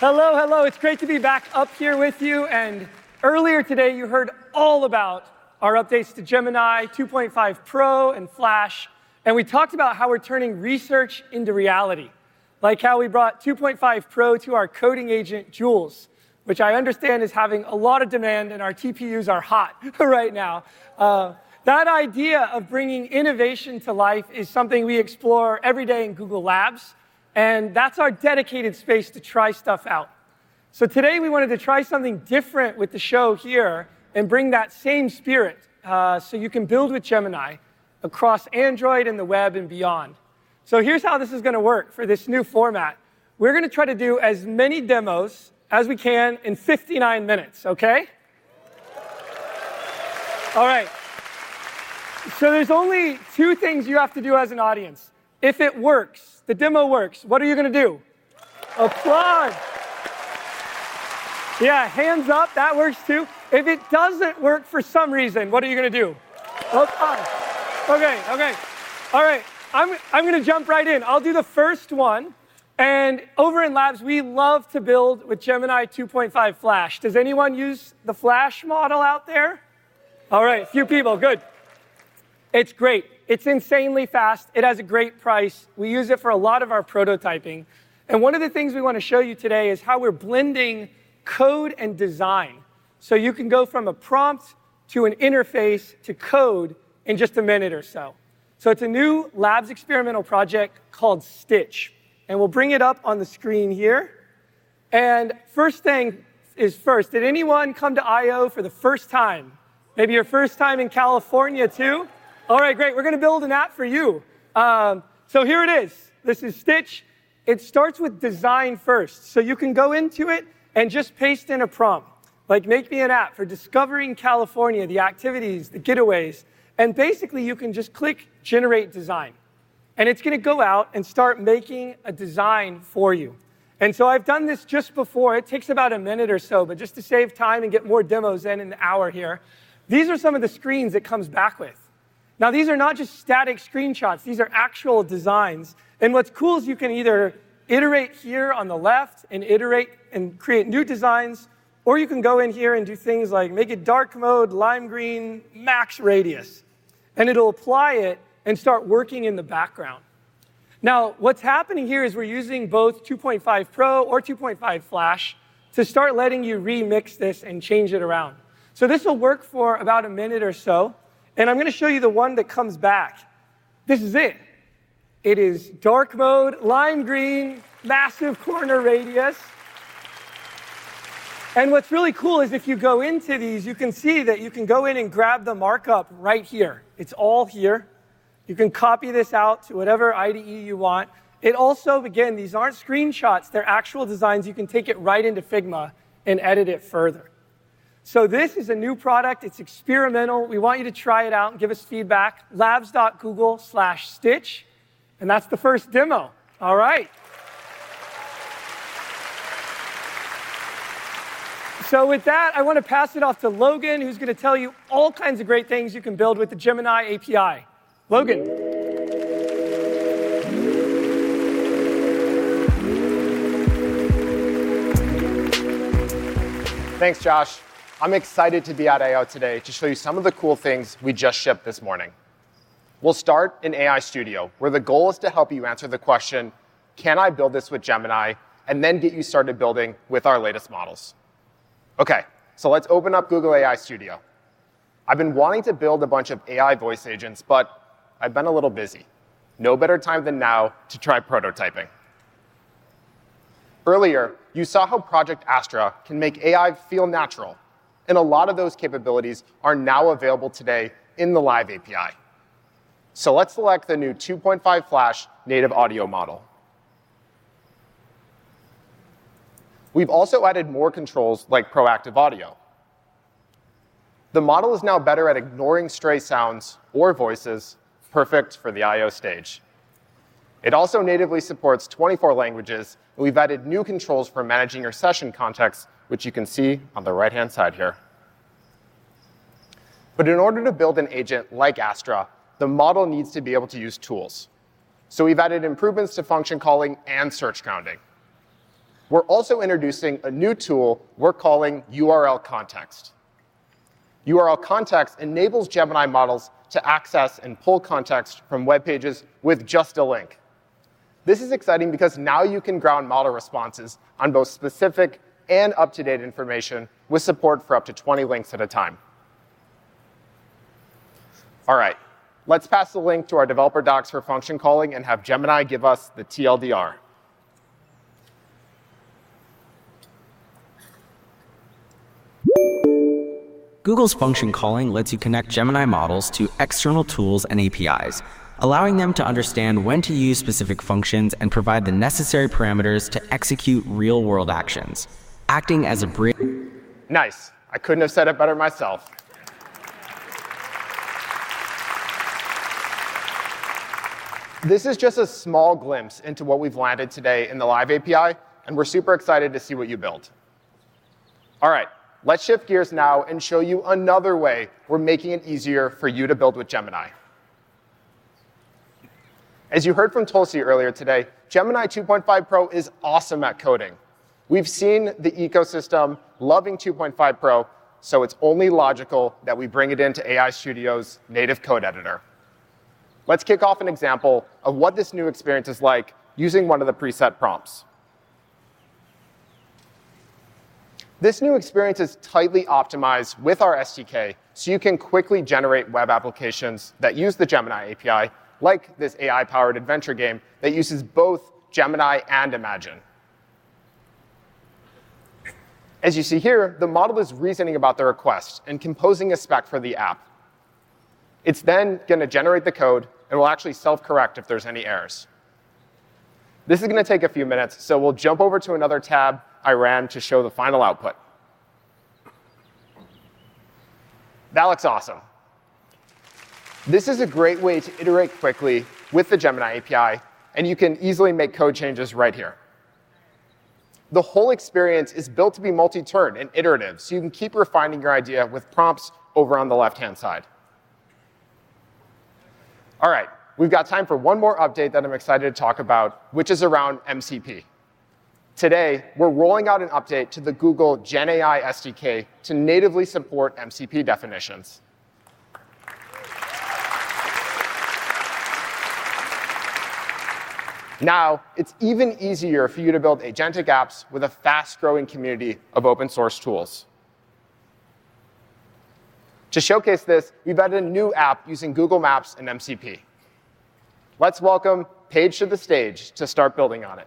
Hello, developers! Hello, hello. It's great to be back up here with you. And earlier today, you heard all about our updates to Gemini 2.5 Pro and Flash. And we talked about how we're turning research into reality, like how we brought 2.5 Pro to our coding agent, Jules, which I understand is having a lot of demand and our TPUs are hot right now. That idea of bringing innovation to life is something we explore every day in Google Labs. And that's our dedicated space to try stuff out. So today, we wanted to try something different with the show here and bring that same spirit so you can build with Gemini across Android and the web and beyond. So here's how this is going to work for this new format. We're going to try to do as many demos as we can in 59 minutes, OK? All right. So there's only two things you have to do as an audience. If it works, the demo works, what are you going to do? Applaud. Yeah, hands up. That works, too. If it doesn't work for some reason, what are you going to do? Applaud. OK, OK. All right. I'm going to jump right in. I'll do the first one. And over in Labs, we love to build with Gemini 2.5 Flash. Does anyone use the Flash model out there? All right, a few people. Good. It's great. It's insanely fast. It has a great price. We use it for a lot of our prototyping. And one of the things we want to show you today is how we're blending code and design so you can go from a prompt to an interface to code in just a minute or so. So it's a new Labs experimental project called Sketch. We'll bring it up on the screen here. First thing is first, did anyone come to I/O for the first time? Maybe your first time in California, too? All right, great. We're going to build an app for you. So here it is. This is Sketch. It starts with design first. So you can go into it and just paste in a prompt, like make me an app for discovering California, the activities, the getaways. And basically, you can just click Generate Design. And it's going to go out and start making a design for you. And so I've done this just before. It takes about a minute or so. But just to save time and get more demos in an hour here, these are some of the screens it comes back with. Now, these are not just static screenshots. These are actual designs. What's cool is you can either iterate here on the left and iterate and create new designs, or you can go in here and do things like make it dark mode, lime green, max radius. It'll apply it and start working in the background. Now, what's happening here is we're using both 2.5 Pro or 2.5 Flash to start letting you remix this and change it around. This will work for about a minute or so. I'm going to show you the one that comes back. This is it. It is dark mode, lime green, massive corner radius. What's really cool is if you go into these, you can see that you can go in and grab the markup right here. It's all here. You can copy this out to whatever IDE you want. It also, again, these aren't screenshots. They're actual designs. You can take it right into Figma and edit it further. So this is a new product. It's experimental. We want you to try it out and give us feedback. Labs.Google/Sketch. And that's the first demo. All right. So with that, I want to pass it off to Logan, who's going to tell you all kinds of great things you can build with the Gemini API. Logan. Thanks, Josh. I'm excited to be at I/O today to show you some of the cool things we just shipped this morning. We'll start in AI Studio, where the goal is to help you answer the question, can I build this with Gemini, and then get you started building with our latest models. OK, so let's open up Google AI Studio. I've been wanting to build a bunch of AI voice agents, but I've been a little busy. No better time than now to try prototyping. Earlier, you saw how Project Astra can make AI feel natural, and a lot of those capabilities are now available today in the live API, so let's select the new 2.5 Flash native audio model. We've also added more controls like proactive audio. The model is now better at ignoring stray sounds or voices, perfect for the I/O stage. It also natively supports 24 languages. And we've added new controls for managing your session context, which you can see on the right-hand side here. But in order to build an agent like Astra, the model needs to be able to use tools. So we've added improvements to function calling and search counting. We're also introducing a new tool we're calling URL Context. URL Context enables Gemini models to access and pull context from web pages with just a link. This is exciting because now you can ground model responses on both specific and up-to-date information with support for up to 20 links at a time. All right, let's pass the link to our developer docs for function calling and have Gemini give us the TL;DR. Google's function calling lets you connect Gemini models to external tools and APIs, allowing them to understand when to use specific functions and provide the necessary parameters to execute real-world actions, acting as a bridge. Nice. I couldn't have said it better myself. This is just a small glimpse into what we've landed today in the live API. And we're super excited to see what you built. All right, let's shift gears now and show you another way we're making it easier for you to build with Gemini. As you heard from Tulsee earlier today, Gemini 2.5 Pro is awesome at coding. We've seen the ecosystem loving 2.5 Pro, so it's only logical that we bring it into AI Studio's native code editor. Let's kick off an example of what this new experience is like using one of the preset prompts. This new experience is tightly optimized with our SDK, so you can quickly generate web applications that use the Gemini API, like this AI-powered adventure game that uses both Gemini and Imagen. As you see here, the model is reasoning about the request and composing a spec for the app. It's then going to generate the code and will actually self-correct if there's any errors. This is going to take a few minutes, so we'll jump over to another tab I ran to show the final output. That looks awesome. This is a great way to iterate quickly with the Gemini API, and you can easily make code changes right here. The whole experience is built to be multi-turn and iterative, so you can keep refining your idea with prompts over on the left-hand side. All right, we've got time for one more update that I'm excited to talk about, which is around MCP. Today, we're rolling out an update to the Google Gen AI SDK to natively support MCP definitions. Now, it's even easier for you to build agentic apps with a fast-growing community of open-source tools. To showcase this, we've added a new app using Google Maps and MCP. Let's welcome Paige to the stage to start building on it.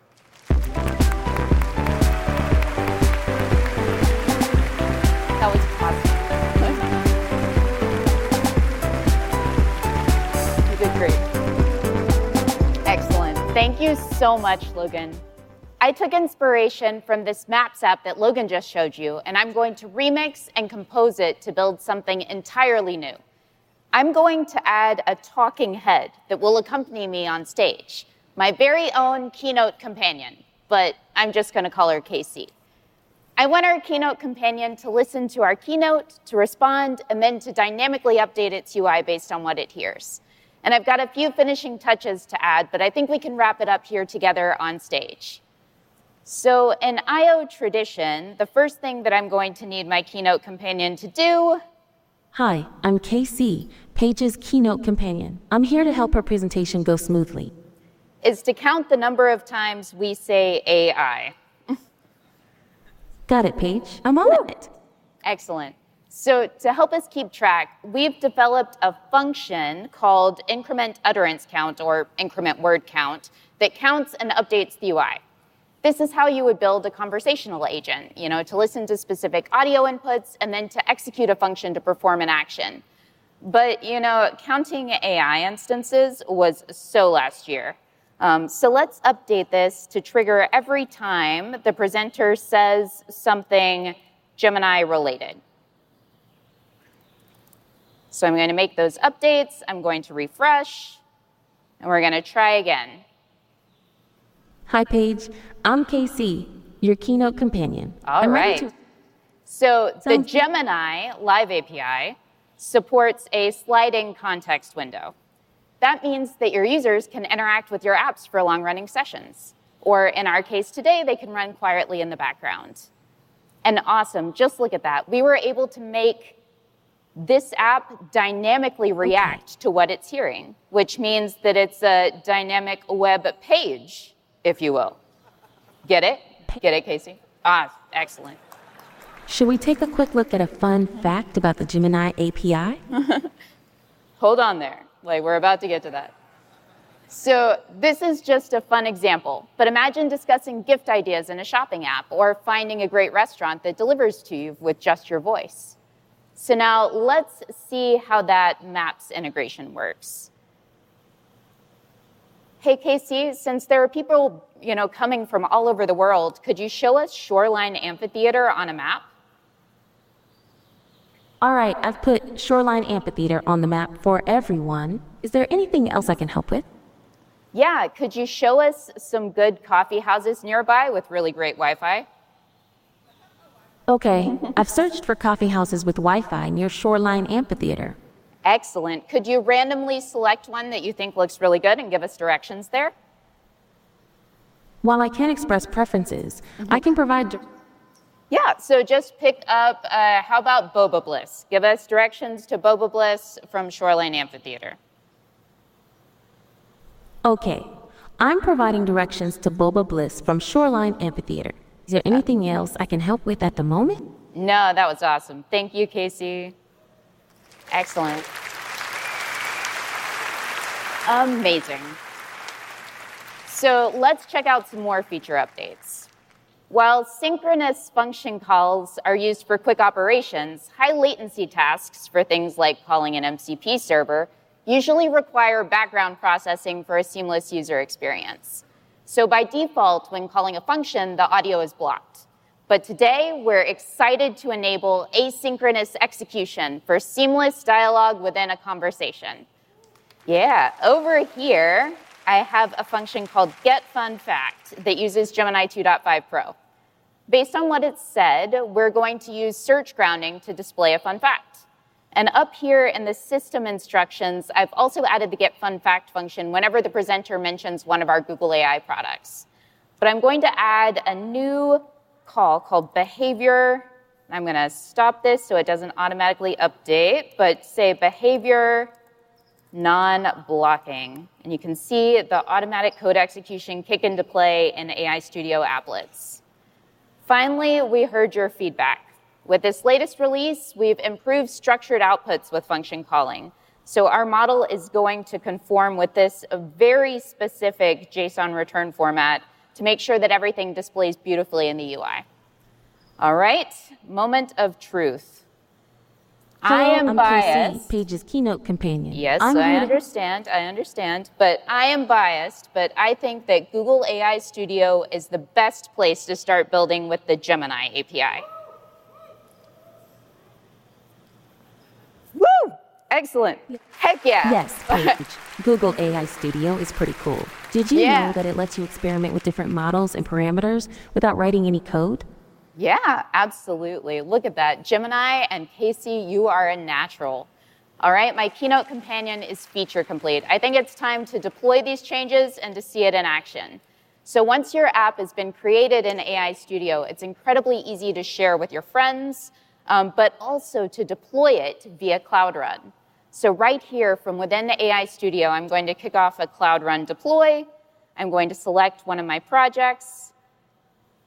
That was awesome. You did great. Excellent. Thank you so much, Logan. I took inspiration from this Maps app that Logan just showed you, and I'm going to remix and compose it to build something entirely new. I'm going to add a talking head that will accompany me on stage, my very own keynote companion, but I'm just going to call her Casey. I want our keynote companion to listen to our keynote, to respond, and then to dynamically update its UI based on what it hears. And I've got a few finishing touches to add, but I think we can wrap it up here together on stage. So in I/O tradition, the first thing that I'm going to need my keynote companion to do. Hi, I'm Casey, Paige's keynote companion. I'm here to help her presentation go smoothly. Is to count the number of times we say AI. Got it, Paige. I'm all in. Excellent. To help us keep track, we've developed a function called increment utterance count, or increment word count, that counts and updates the UI. This is how you would build a conversational agent, to listen to specific audio inputs and then to execute a function to perform an action, but counting AI instances was so last year, so let's update this to trigger every time the presenter says something Gemini-related, so I'm going to make those updates. I'm going to refresh, and we're going to try again. Hi, Paige. I'm Casey, your keynote companion. All right. So the Gemini live API supports a sliding context window. That means that your users can interact with your apps for long-running sessions. Or in our case today, they can run quietly in the background. And awesome. Just look at that. We were able to make this app dynamically react to what it's hearing, which means that it's a dynamic web page, if you will. Get it? Get it, Casey? Awesome. Excellent. Should we take a quick look at a fun fact about the Gemini API? Hold on there. We're about to get to that. So this is just a fun example. But imagine discussing gift ideas in a shopping app or finding a great restaurant that delivers to you with just your voice. So now let's see how that Maps integration works. Hey, Casey, since there are people coming from all over the world, could you show us Shoreline Amphitheatre on a map? All right. I've put Shoreline Amphitheatre on the map for everyone. Is there anything else I can help with? Yeah. Could you show us some good coffee houses nearby with really great Wi-Fi? OK. I've searched for coffee houses with Wi-Fi near Shoreline Amphitheatre. Excellent. Could you randomly select one that you think looks really good and give us directions there? While I can't express preferences, I can provide. Yeah. So just pick up, how about Boba Bliss? Give us directions to Boba Bliss from Shoreline Amphitheatre. OK. I'm providing directions to Boba Bliss from Shoreline Amphitheatre. Is there anything else I can help with at the moment? No, that was awesome. Thank you, Casey. Excellent. Amazing, so let's check out some more feature updates. While synchronous function calls are used for quick operations, high-latency tasks for things like calling an MCP server usually require background processing for a seamless user experience, so by default, when calling a function, the audio is blocked, but today, we're excited to enable asynchronous execution for seamless dialogue within a conversation. Yeah. Over here, I have a function called getFunFact that uses Gemini 2.5 Pro. Based on what it said, we're going to use search grounding to display a fun fact, and up here in the system instructions, I've also added the getFunFact function whenever the presenter mentions one of our Google AI products, but I'm going to add a new call called behavior. I'm going to stop this so it doesn't automatically update, but say behavior non-blocking. You can see the automatic code execution kick into play in AI Studio applets. Finally, we heard your feedback. With this latest release, we've improved structured outputs with function calling. Our model is going to conform with this very specific JSON return format to make sure that everything displays beautifully in the UI. All right, moment of truth. I am biased. Paige's keynote companion. Yes, I understand. I understand. But I am biased. But I think that Google AI Studio is the best place to start building with the Gemini API. Whoo! Excellent. Heck yeah. Yes. Google AI Studio is pretty cool. Did you know that it lets you experiment with different models and parameters without writing any code? Yeah, absolutely. Look at that. Gemini and Casey, you are a natural. All right, my keynote companion is feature complete. I think it's time to deploy these changes and to see it in action, so once your app has been created in AI Studio, it's incredibly easy to share with your friends, but also to deploy it via Cloud Run. So right here, from within the AI Studio, I'm going to kick off a Cloud Run deploy. I'm going to select one of my projects.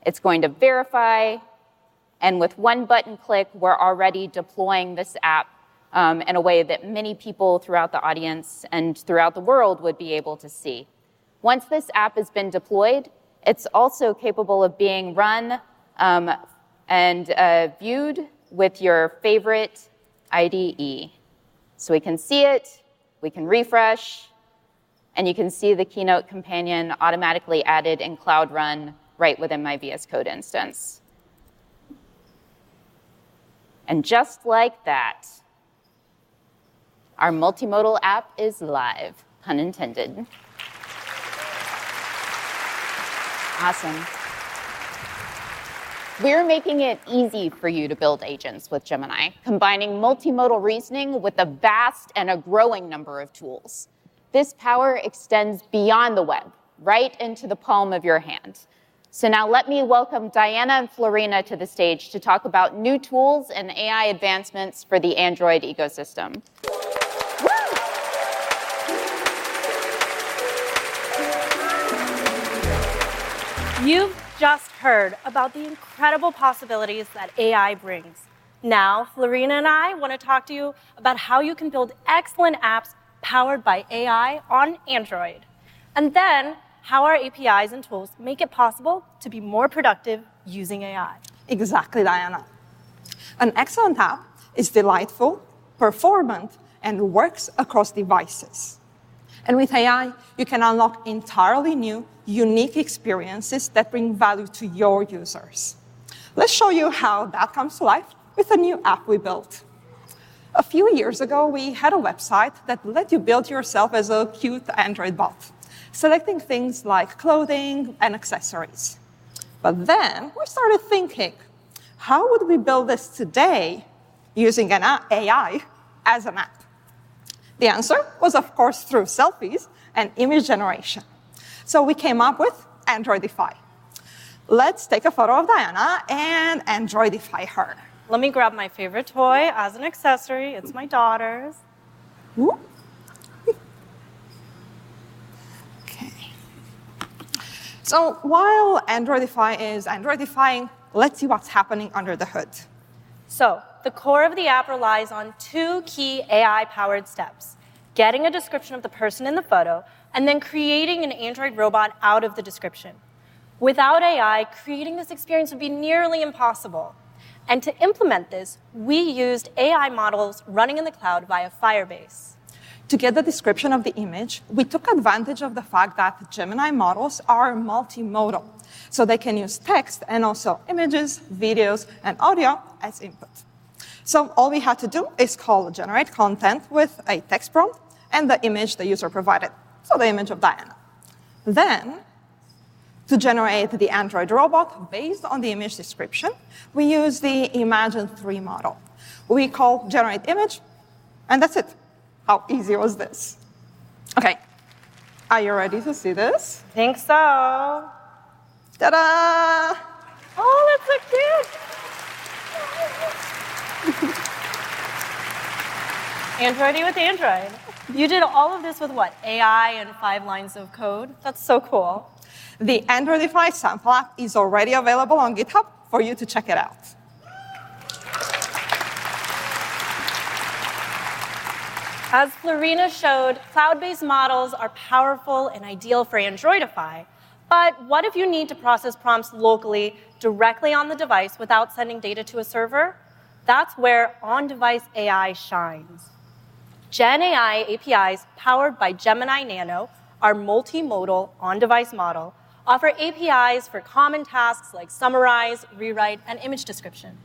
It's going to verify, and with one button click, we're already deploying this app in a way that many people throughout the audience and throughout the world would be able to see. Once this app has been deployed, it's also capable of being run and viewed with your favorite IDE, so we can see it. We can refresh. And you can see the keynote companion automatically added in Cloud Run right within my VS Code instance. And just like that, our multimodal app is live, pun intended. Awesome. We're making it easy for you to build agents with Gemini, combining multimodal reasoning with a vast and a growing number of tools. This power extends beyond the web, right into the palm of your hand. So now let me welcome Diana and Florina to the stage to talk about new tools and AI advancements for the Android ecosystem. You've just heard about the incredible possibilities that AI brings. Now, Florina and I want to talk to you about how you can build excellent apps powered by AI on Android, and then how our APIs and tools make it possible to be more productive using AI. Exactly, Diana. An excellent app is delightful, performant, and works across devices. And with AI, you can unlock entirely new, unique experiences that bring value to your users. Let's show you how that comes to life with a new app we built. A few years ago, we had a website that let you build yourself as a cute Android bot, selecting things like clothing and accessories. But then we started thinking, how would we build this today using AI as an app? The answer was, of course, through selfies and image generation. So we came up with Androidify. Let's take a photo of Diana and Androidify her. Let me grab my favorite toy as an accessory. It's my daughter's. Ooh. OK. While Androidify is Androidifying, let's see what's happening under the hood. The core of the app relies on two key AI-powered steps: getting a description of the person in the photo and then creating an Android robot out of the description. Without AI, creating this experience would be nearly impossible, and to implement this, we used AI models running in the cloud via Firebase. To get the description of the image, we took advantage of the fact that Gemini models are multimodal, so they can use text and also images, videos, and audio as input. So all we had to do is call generate content with a text prompt and the image the user provided, so the image of Diana. Then, to generate the Android robot based on the image description, we used the Imagen 3 model. We call generate image, and that's it. How easy was this? OK. Are you ready to see this? I think so. Ta-da! Oh, that's so cute! Androidify with Android. You did all of this with what? AI and five lines of code? That's so cool. The Androidify sample app is already available on GitHub for you to check it out. As Florina showed, cloud-based models are powerful and ideal for Androidify. But what if you need to process prompts locally, directly on the device without sending data to a server? That's where on-device AI shines. Gen AI APIs powered by Gemini Nano, our multimodal on-device model, offer APIs for common tasks like summarize, rewrite, and image description.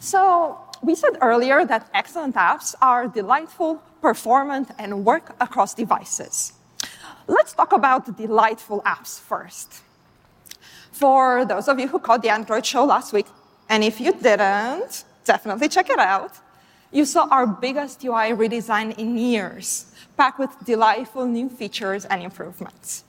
So we said earlier that excellent apps are delightful, performant, and work across devices. Let's talk about delightful apps first. For those of you who caught the Android show last week, and if you didn't, definitely check it out, you saw our biggest UI redesign in years, packed with delightful new features and improvements.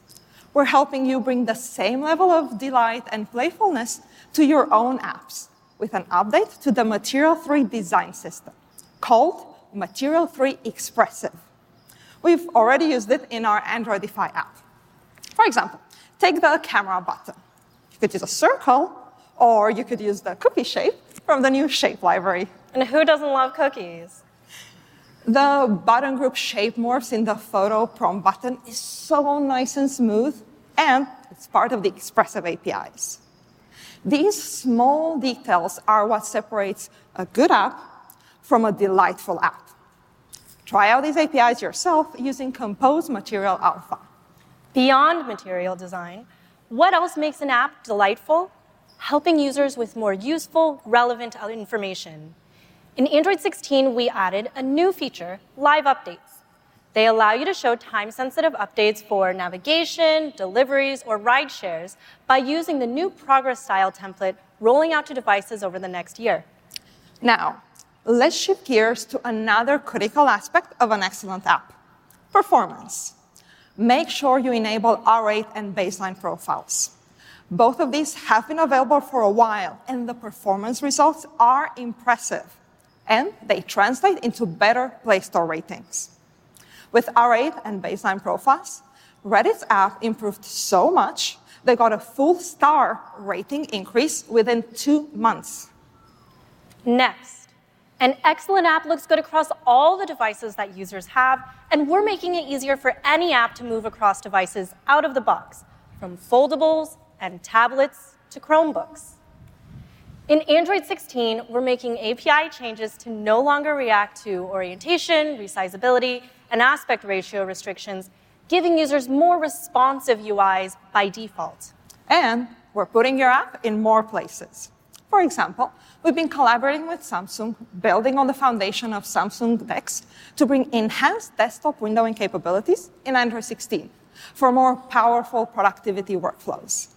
We're helping you bring the same level of delight and playfulness to your own apps with an update to the Material 3 design system called Material 3 Expressive. We've already used it in our Androidify app. For example, take the camera button. You could use a circle, or you could use the cookie shape from the new shape library. Who doesn't love cookies? The button group shape morphs in the photo prompt button, is so nice and smooth, and it's part of the expressive APIs. These small details are what separates a good app from a delightful app. Try out these APIs yourself using Compose Material Alpha. Beyond Material Design, what else makes an app delightful? Helping users with more useful, relevant information. In Android 16, we added a new feature, live updates. They allow you to show time-sensitive updates for navigation, deliveries, or ride shares by using the new progress style template rolling out to devices over the next year. Now, let's shift gears to another critical aspect of an excellent app: performance. Make sure you enable R8 and baseline profiles. Both of these have been available for a while, and the performance results are impressive. And they translate into better Play Store ratings. With R8 and baseline profiles, Reddit's app improved so much they got a full star rating increase within two months. Next, an excellent app looks good across all the devices that users have, and we're making it easier for any app to move across devices out of the box, from foldables and tablets to Chromebooks. In Android 16, we're making API changes to no longer react to orientation, resizability, and aspect ratio restrictions, giving users more responsive UIs by default. We're putting your app in more places. For example, we've been collaborating with Samsung, building on the foundation of Samsung DeX, to bring enhanced desktop windowing capabilities in Android 16 for more powerful productivity workflows.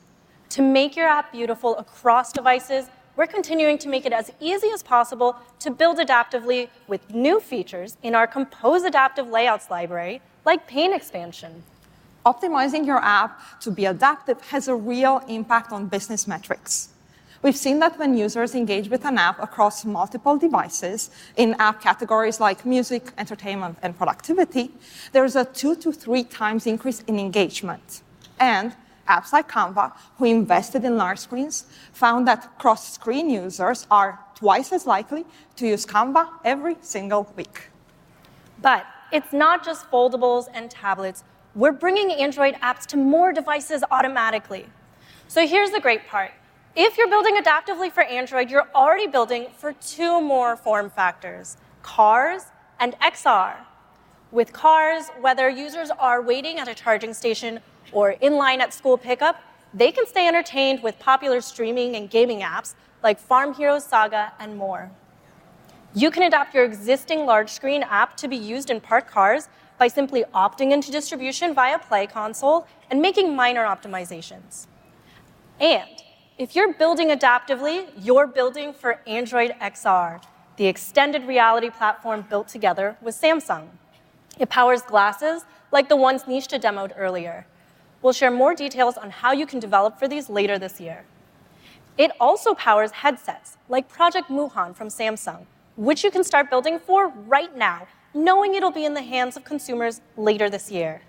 To make your app beautiful across devices, we're continuing to make it as easy as possible to build adaptively with new features in our Compose Adaptive Layouts library, like pane expansion. Optimizing your app to be adaptive has a real impact on business metrics. We've seen that when users engage with an app across multiple devices in app categories like music, entertainment, and productivity, there's a two to three times increase in engagement. And apps like Canva, who invested in large screens, found that cross-screen users are twice as likely to use Canva every single week. But it's not just foldables and tablets. We're bringing Android apps to more devices automatically. So here's the great part. If you're building adaptively for Android, you're already building for two more form factors: cars and XR. With cars, whether users are waiting at a charging station or in line at school pickup, they can stay entertained with popular streaming and gaming apps like Farm Heroes Saga and more. You can adapt your existing large screen app to be used in parked cars by simply opting into distribution via Play Console and making minor optimizations. And if you're building adaptively, you're building for Android XR, the extended reality platform built together with Samsung. It powers glasses like the ones Nishtha demoed earlier. We'll share more details on how you can develop for these later this year. It also powers headsets like Project Moohan from Samsung, which you can start building for right now, knowing it'll be in the hands of consumers later this year.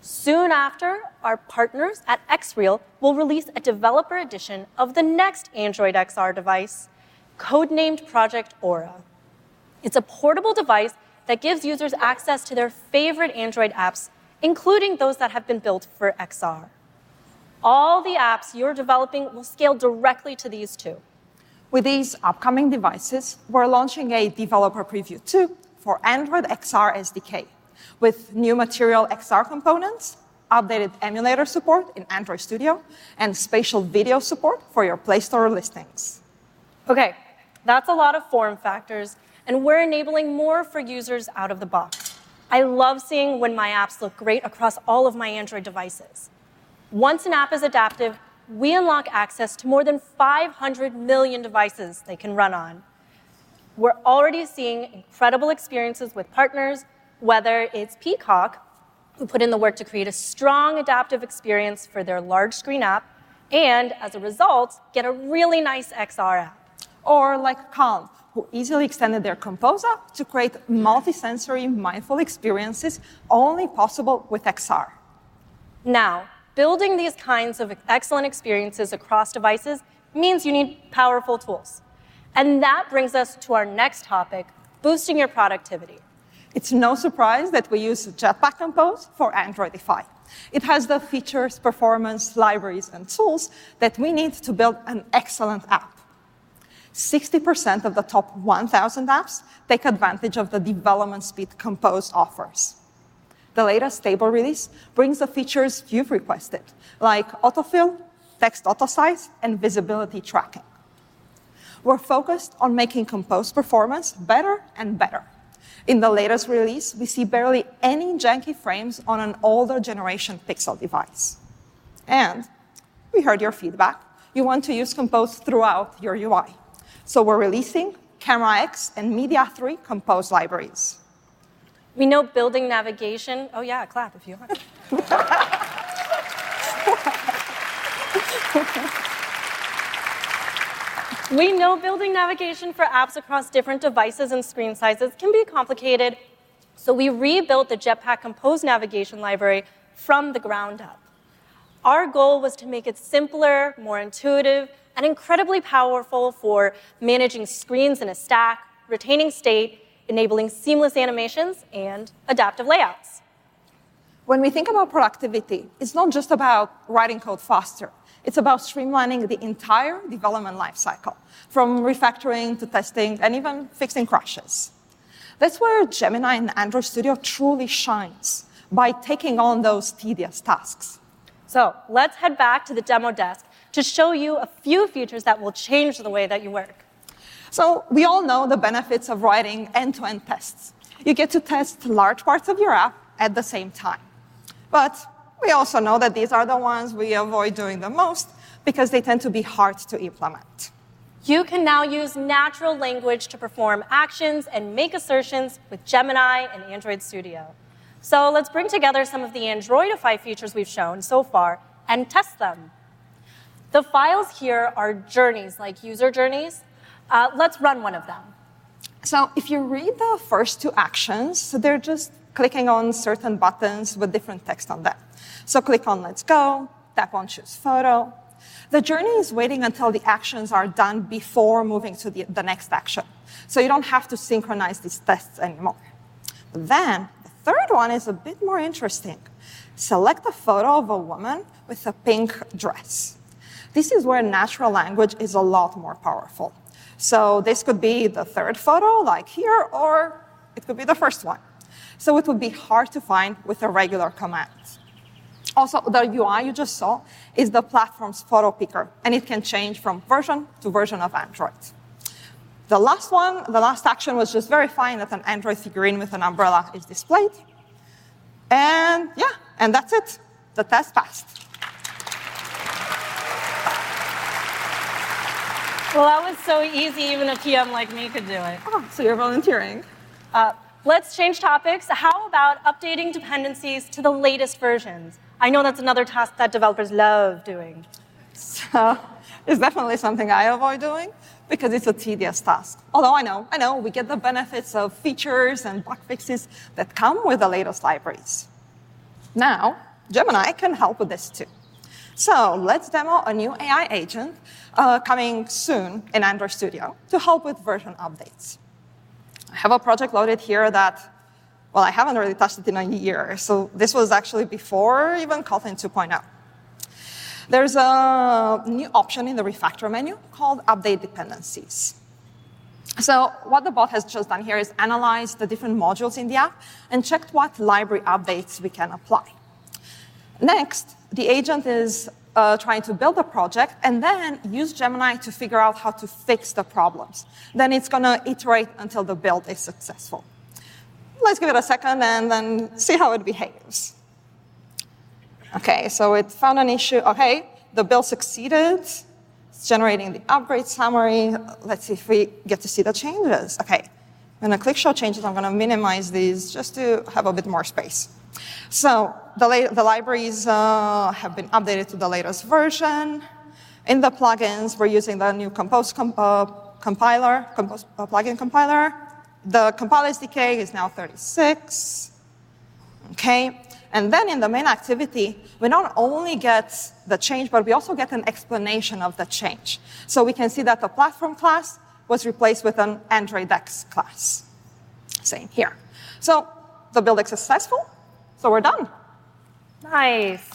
Soon after, our partners at XREAL will release a developer edition of the next Android XR device, code-named Project Aura. It's a portable device that gives users access to their favorite Android apps, including those that have been built for XR. All the apps you're developing will scale directly to these two. With these upcoming devices, we're launching a developer preview 2 for Android XR SDK with new Material XR components, updated emulator support in Android Studio, and spatial video support for your Play Store listings. OK, that's a lot of form factors. We're enabling more for users out of the box. I love seeing when my apps look great across all of my Android devices. Once an app is adaptive, we unlock access to more than 500 million devices they can run on. We're already seeing incredible experiences with partners, whether it's Peacock, who put in the work to create a strong adaptive experience for their large screen app, and as a result, get a really nice XR app. Or like Calm, who easily extended their composer to create multi-sensory mindful experiences only possible with XR. Now, building these kinds of excellent experiences across devices means you need powerful tools. And that brings us to our next topic, boosting your productivity. It's no surprise that we use Jetpack Compose for Androidify. It has the features, performance, libraries, and tools that we need to build an excellent app. 60% of the top 1,000 apps take advantage of the development speed Compose offers. The latest stable release brings the features you've requested, like autofill, text auto size, and visibility tracking. We're focused on making Compose performance better and better. In the latest release, we see barely any janky frames on an older generation Pixel device. And we heard your feedback. You want to use Compose throughout your UI. So we're releasing CameraX and Media3 Compose libraries. Oh, yeah, clap if you are. We know building navigation for apps across different devices and screen sizes can be complicated, so we rebuilt the Jetpack Compose navigation library from the ground up. Our goal was to make it simpler, more intuitive, and incredibly powerful for managing screens in a stack, retaining state, enabling seamless animations, and adaptive layouts. When we think about productivity, it's not just about writing code faster. It's about streamlining the entire development lifecycle, from refactoring to testing and even fixing crashes. That's where Gemini and Android Studio truly shine by taking on those tedious tasks. So let's head back to the demo desk to show you a few features that will change the way that you work. So we all know the benefits of writing end-to-end tests. You get to test large parts of your app at the same time. But we also know that these are the ones we avoid doing the most because they tend to be hard to implement. You can now use natural language to perform actions and make assertions with Gemini and Android Studio. So let's bring together some of the Androidify features we've shown so far and test them. The files here are journeys, like user journeys. Let's run one of them. If you read the first two actions, they're just clicking on certain buttons with different text on them. So click on Let's Go, tap on Choose Photo. The journey is waiting until the actions are done before moving to the next action. So you don't have to synchronize these tests anymore. Then the third one is a bit more interesting. Select a photo of a woman with a pink dress. This is where natural language is a lot more powerful. So this could be the third photo, like here, or it could be the first one. So it would be hard to find with a regular command. Also, the UI you just saw is the platform's photo picker, and it can change from version to version of Android. The last one, the last action, was just verifying that an Android figurine with an umbrella is displayed. Yeah, that's it. The test passed. That was so easy. Even a PM like me could do it. So you're volunteering. Let's change topics. How about updating dependencies to the latest versions? I know that's another task that developers love doing. It's definitely something I avoid doing because it's a tedious task. Although I know, I know we get the benefits of features and bug fixes that come with the latest libraries. Now, Gemini can help with this too. So let's demo a new AI agent coming soon in Android Studio to help with version updates. I have a project loaded here that, well, I haven't really touched it in a year. So this was actually before even Kotlin 2.0. There's a new option in the refactor menu called Update Dependencies. So what the bot has just done here is analyze the different modules in the app and checked what library updates we can apply. Next, the agent is trying to build a project and then use Gemini to figure out how to fix the problems. Then it's going to iterate until the build is successful. Let's give it a second and then see how it behaves. OK, so it found an issue. OK, the build succeeded. It's generating the upgrade summary. Let's see if we get to see the changes. OK, I'm going to click Show Changes. I'm going to minimize these just to have a bit more space. So the libraries have been updated to the latest version. In the plugins, we're using the new Compose plugin compiler. The compiler SDK is now 36. OK, and then in the main activity, we not only get the change, but we also get an explanation of the change. So we can see that the platform class was replaced with an AndroidX class. Same here. So the build is successful. So we're done. Nice.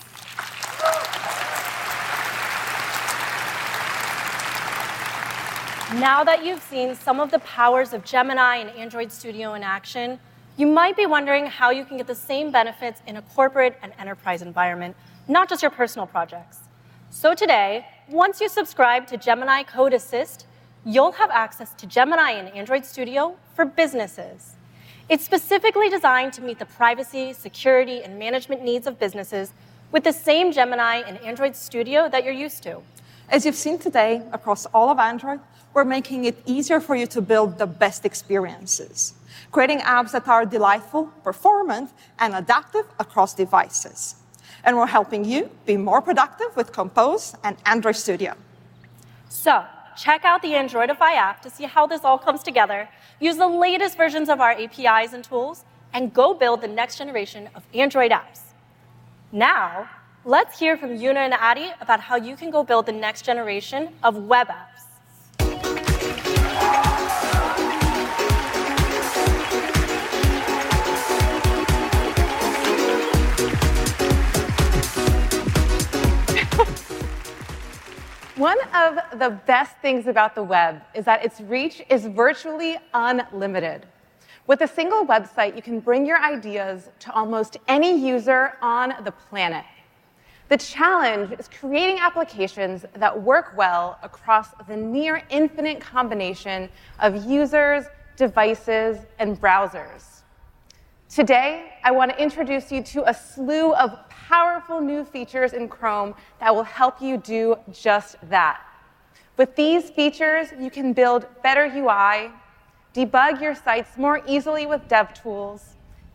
Now that you've seen some of the powers of Gemini and Android Studio in action, you might be wondering how you can get the same benefits in a corporate and enterprise environment, not just your personal projects. So today, once you subscribe to Gemini Code Assist, you'll have access to Gemini and Android Studio for businesses. It's specifically designed to meet the privacy, security, and management needs of businesses with the same Gemini and Android Studio that you're used to. As you've seen today, across all of Android, we're making it easier for you to build the best experiences, creating apps that are delightful, performant, and adaptive across devices, and we're helping you be more productive with Compose and Android Studio. So check out the Androidify app to see how this all comes together. Use the latest versions of our APIs and tools, and go build the next generation of Android apps. Now, let's hear from Yuna and Adi about how you can go build the next generation of web apps. One of the best things about the web is that its reach is virtually unlimited. With a single website, you can bring your ideas to almost any user on the planet. The challenge is creating applications that work well across the near-infinite combination of users, devices, and browsers. Today, I want to introduce you to a slew of powerful new features in Chrome that will help you do just that. With these features, you can build better UI, debug your sites more easily with DevTools,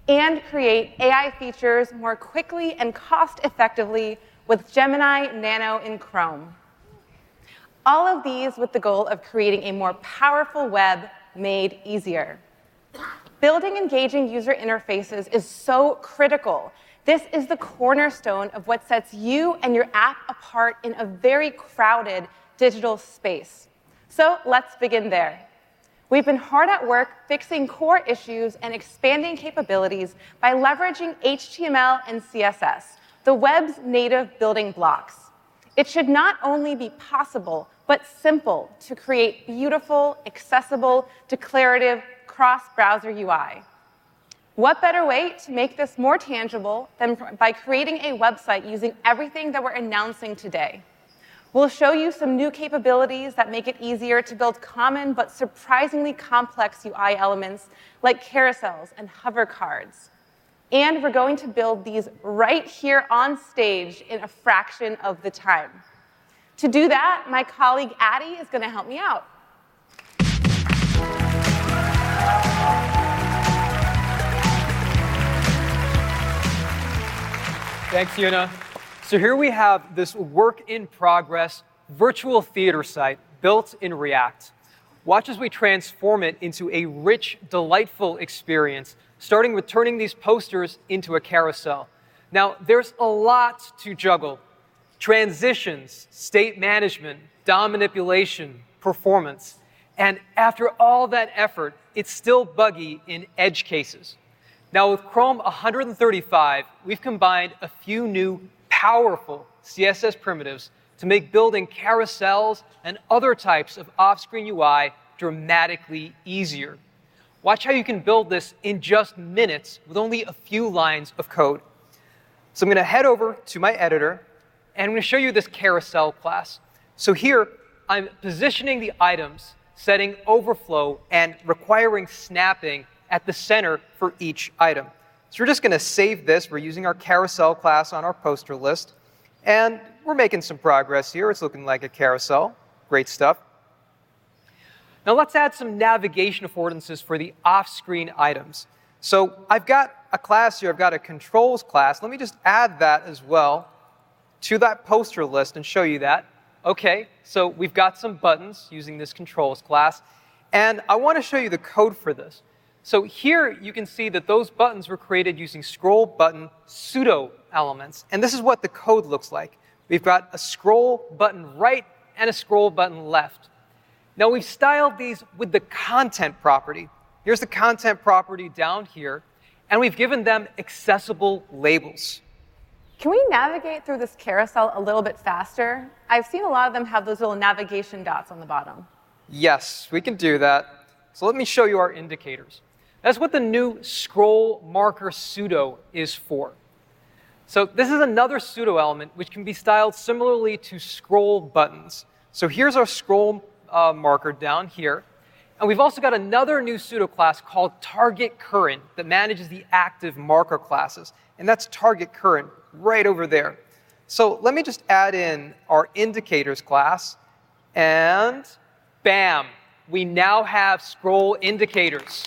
and create AI features more quickly and cost-effectively with Gemini Nano in Chrome. All of these, with the goal of creating a more powerful web made easier. Building engaging user interfaces is so critical. This is the cornerstone of what sets you and your app apart in a very crowded digital space, so let's begin there. We've been hard at work fixing core issues and expanding capabilities by leveraging HTML and CSS, the web's native building blocks. It should not only be possible, but simple to create beautiful, accessible, declarative cross-browser UI. What better way to make this more tangible than by creating a website using everything that we're announcing today? We'll show you some new capabilities that make it easier to build common but surprisingly complex UI elements like carousels and hover cards, and we're going to build these right here on stage in a fraction of the time. To do that, my colleague Adi is going to help me out. Thanks, Yuna. So here we have this work-in-progress virtual theater site built in React. Watch as we transform it into a rich, delightful experience, starting with turning these posters into a carousel. Now, there's a lot to juggle: transitions, state management, DOM manipulation, performance and after all that effort, it's still buggy in edge cases. Now, with Chrome 135, we've combined a few new powerful CSS primitives to make building carousels and other types of off-screen UI dramatically easier. Watch how you can build this in just minutes with only a few lines of code. So I'm going to head over to my editor, and I'm going to show you this carousel class. So here, I'm positioning the items, setting overflow, and requiring snapping at the center for each item. So we're just going to save this. We're using our carousel class on our poster list. We're making some progress here. It's looking like a carousel. Great stuff. Now, let's add some navigation affordances for the off-screen items. I've got a class here. I've got a controls class. Let me just add that as well to that poster list and show you that. OK, we've got some buttons using this controls class. I want to show you the code for this. Here, you can see that those buttons were created using scroll button pseudo-elements. This is what the code looks like. We've got a scroll button right and a scroll button left. Now, we've styled these with the content property. Here's the content property down here. We've given them accessible labels. Can we navigate through this carousel a little bit faster? I've seen a lot of them have those little navigation dots on the bottom. Yes, we can do that. So let me show you our indicators. That's what the new scroll-marker pseudo-element is for. So this is another pseudo-element, which can be styled similarly to scroll buttons. So here's our scroll-marker down here. And we've also got another new pseudo-class called target-current that manages the active marker classes. And that's target-current right over there. So let me just add in our indicators class. And bam, we now have scroll indicators.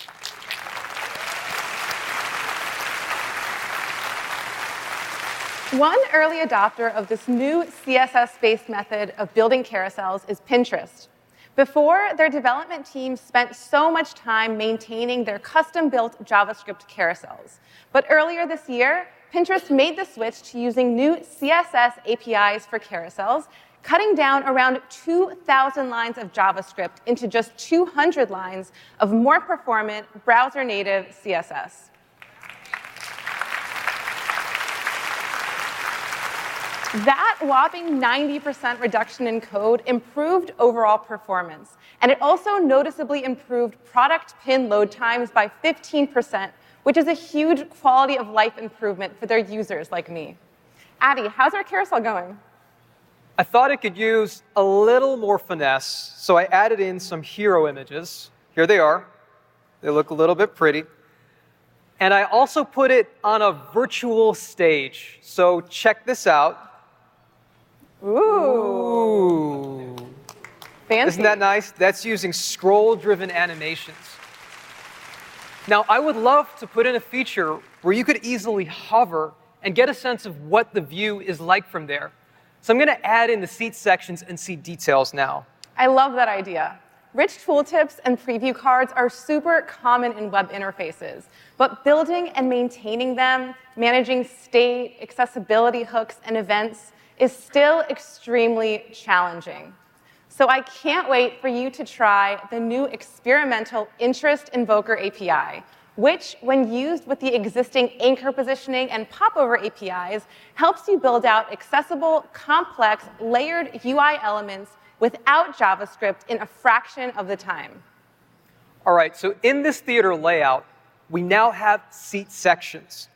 One early adopter of this new CSS-based method of building carousels is Pinterest. Before, their development team spent so much time maintaining their custom-built JavaScript carousels. But earlier this year, Pinterest made the switch to using new CSS APIs for carousels, cutting down around 2,000 lines of JavaScript into just 200 lines of more performant browser-native CSS. That whopping 90% reduction in code improved overall performance. And it also noticeably improved product pin load times by 15%, which is a huge quality of life improvement for their users like me. Adi, how's our carousel going? I thought it could use a little more finesse, so I added in some hero images. Here they are. They look a little bit pretty, and I also put it on a virtual stage, so check this out. Ooh. Isn't that nice? That's using scroll-driven animations. Now, I would love to put in a feature where you could easily hover and get a sense of what the view is like from there. So I'm going to add in the seat sections and seat details now. I love that idea. Rich tooltips and preview cards are super common in web interfaces. But building and maintaining them, managing state accessibility hooks and events is still extremely challenging. So I can't wait for you to try the new experimental Interest Invoker API, which, when used with the existing anchor positioning and popover APIs, helps you build out accessible, complex, layered UI elements without JavaScript in a fraction of the time. All right, so in this theater layout, we now have seat sections.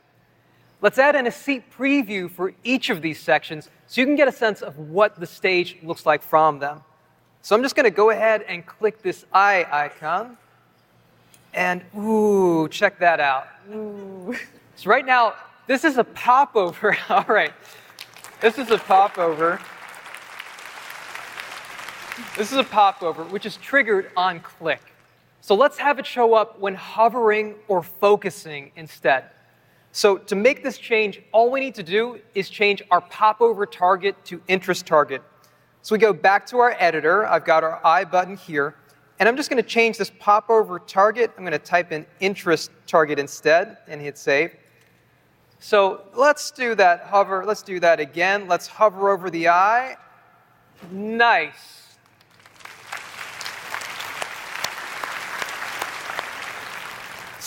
Let's add in a seat preview for each of these sections so you can get a sense of what the stage looks like from them, so I'm just going to go ahead and click this eye icon, and ooh, check that out. Ooh, so right now, this is a popover. All right, this is a popover. This is a popover, which is triggered on click, so let's have it show up when hovering or focusing instead. So to make this change, all we need to do is change our popover target to interest target, so we go back to our editor. I've got our eye button here, and I'm just going to change this popover target. I'm going to type in interest target instead and hit Save, so let's do that hover. Let's do that again. Let's hover over the eye. Nice.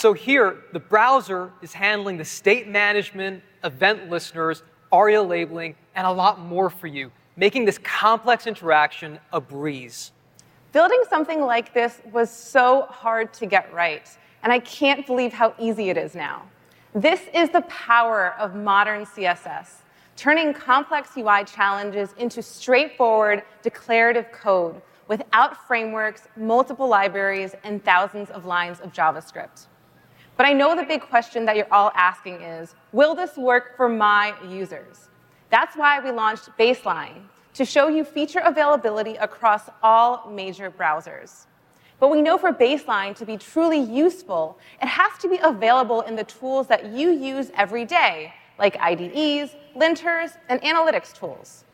So here, the browser is handling the state management, event listeners, ARIA labeling, and a lot more for you, making this complex interaction a breeze. Building something like this was so hard to get right. And I can't believe how easy it is now. This is the power of modern CSS, turning complex UI challenges into straightforward declarative code without frameworks, multiple libraries, and thousands of lines of JavaScript. But I know the big question that you're all asking is, will this work for my users? That's why we launched Baseline, to show you feature availability across all major browsers. But we know for Baseline to be truly useful, it has to be available in the tools that you use every day, like IDEs, linters, and analytics tools.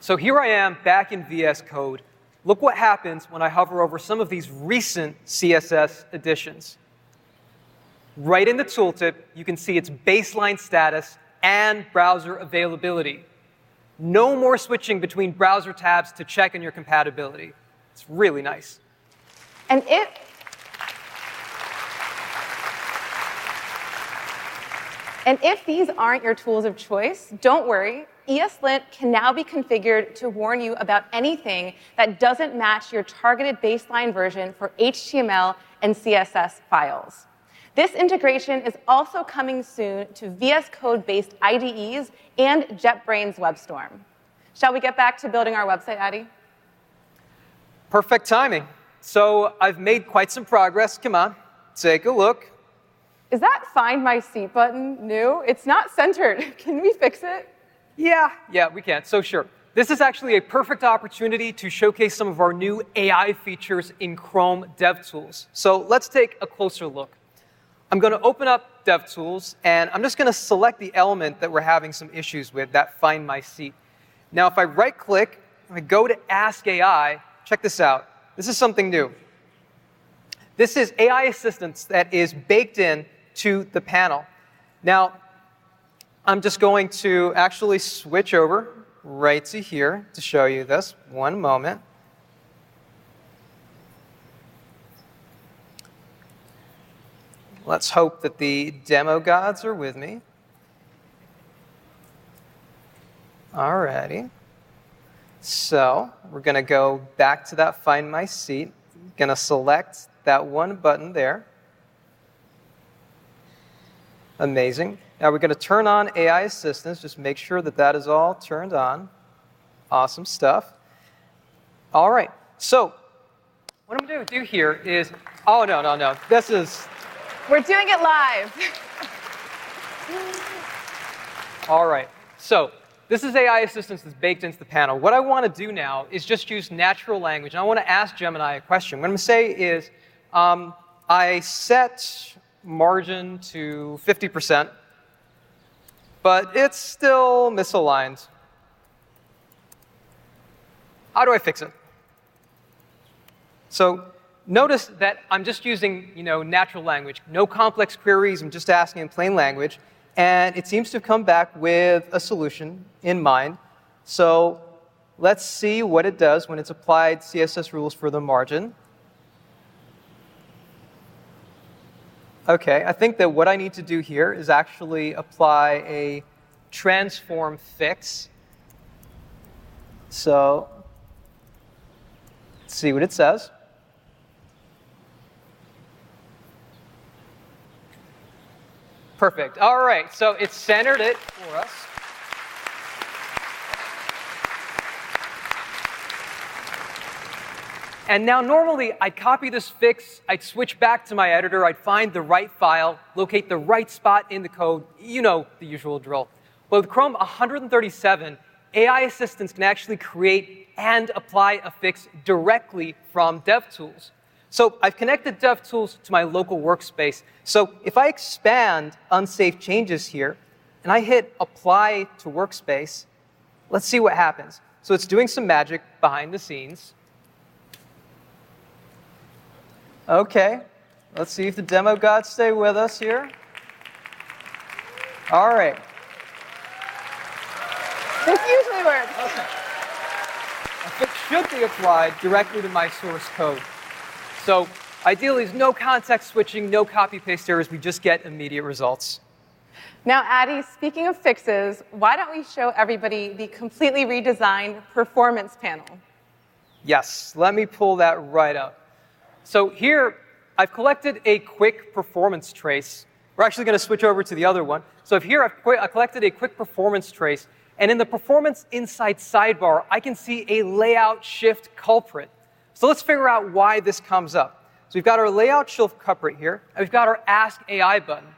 So here I am back in VS Code. Look what happens when I hover over some of these recent CSS additions. Right in the tooltip, you can see its baseline status and browser availability. No more switching between browser tabs to check in your compatibility. It's really nice. If these aren't your tools of choice, don't worry. ESLint can now be configured to warn you about anything that doesn't match your targeted baseline version for HTML and CSS files. This integration is also coming soon to VS Code-based IDEs and JetBrains WebStorm. Shall we get back to building our website, Adi? Perfect timing. So I've made quite some progress. Come on, take a look. Is that Find My Seat button new? It's not centered. Can we fix it? Yeah, yeah, we can. So sure. This is actually a perfect opportunity to showcase some of our new AI features in Chrome DevTools. So let's take a closer look. I'm going to open up DevTools, and I'm just going to select the element that we're having some issues with, that Find My Seat. Now, if I right-click, I go to Ask AI. Check this out. This is something new. This is AI assistance that is baked into the panel. Now, I'm just going to actually switch over right to here to show you this. One moment. Let's hope that the demo gods are with me. All righty. So we're going to go back to that Find My Seat. I'm going to select that one button there. Amazing. Now, we're going to turn on AI assistance. Just make sure that that is all turned on. Awesome stuff. All right. So what I'm going to do here is. Oh, no, no, no. This is. We're doing it live. All right. So this is AI assistance that's baked into the panel. What I want to do now is just use natural language. And I want to ask Gemini a question. What I'm going to say is, I set margin to 50%, but it's still misaligned. How do I fix it? So notice that I'm just using natural language. No complex queries. I'm just asking in plain language. And it seems to have come back with a solution in mind. So let's see what it does when it's applied CSS rules for the margin. OK, I think that what I need to do here is actually apply a transform fix. So let's see what it says. Perfect. All right, so it centered it for us. And now, normally, I'd copy this fix. I'd switch back to my editor. I'd find the right file, locate the right spot in the code. You know the usual drill. But with Chrome 137, AI assistance can actually create and apply a fix directly from DevTools. So I've connected DevTools to my local workspace. So if I expand unsafe changes here and I hit Apply to Workspace, let's see what happens. So it's doing some magic behind the scenes. OK, let's see if the demo gods stay with us here. All right. This usually works. It should be applied directly to my source code. So ideally, there's no context switching, no copy-paste errors. We just get immediate results. Now, Adi, speaking of fixes, why don't we show everybody the completely redesigned performance panel? Yes, let me pull that right up. So here, I've collected a quick performance trace. We're actually going to switch over to the other one. So here, I've collected a quick performance trace. And in the performance insights sidebar, I can see a layout shift culprit. So let's figure out why this comes up. So we've got our layout shift culprit here. And we've got our Ask AI button.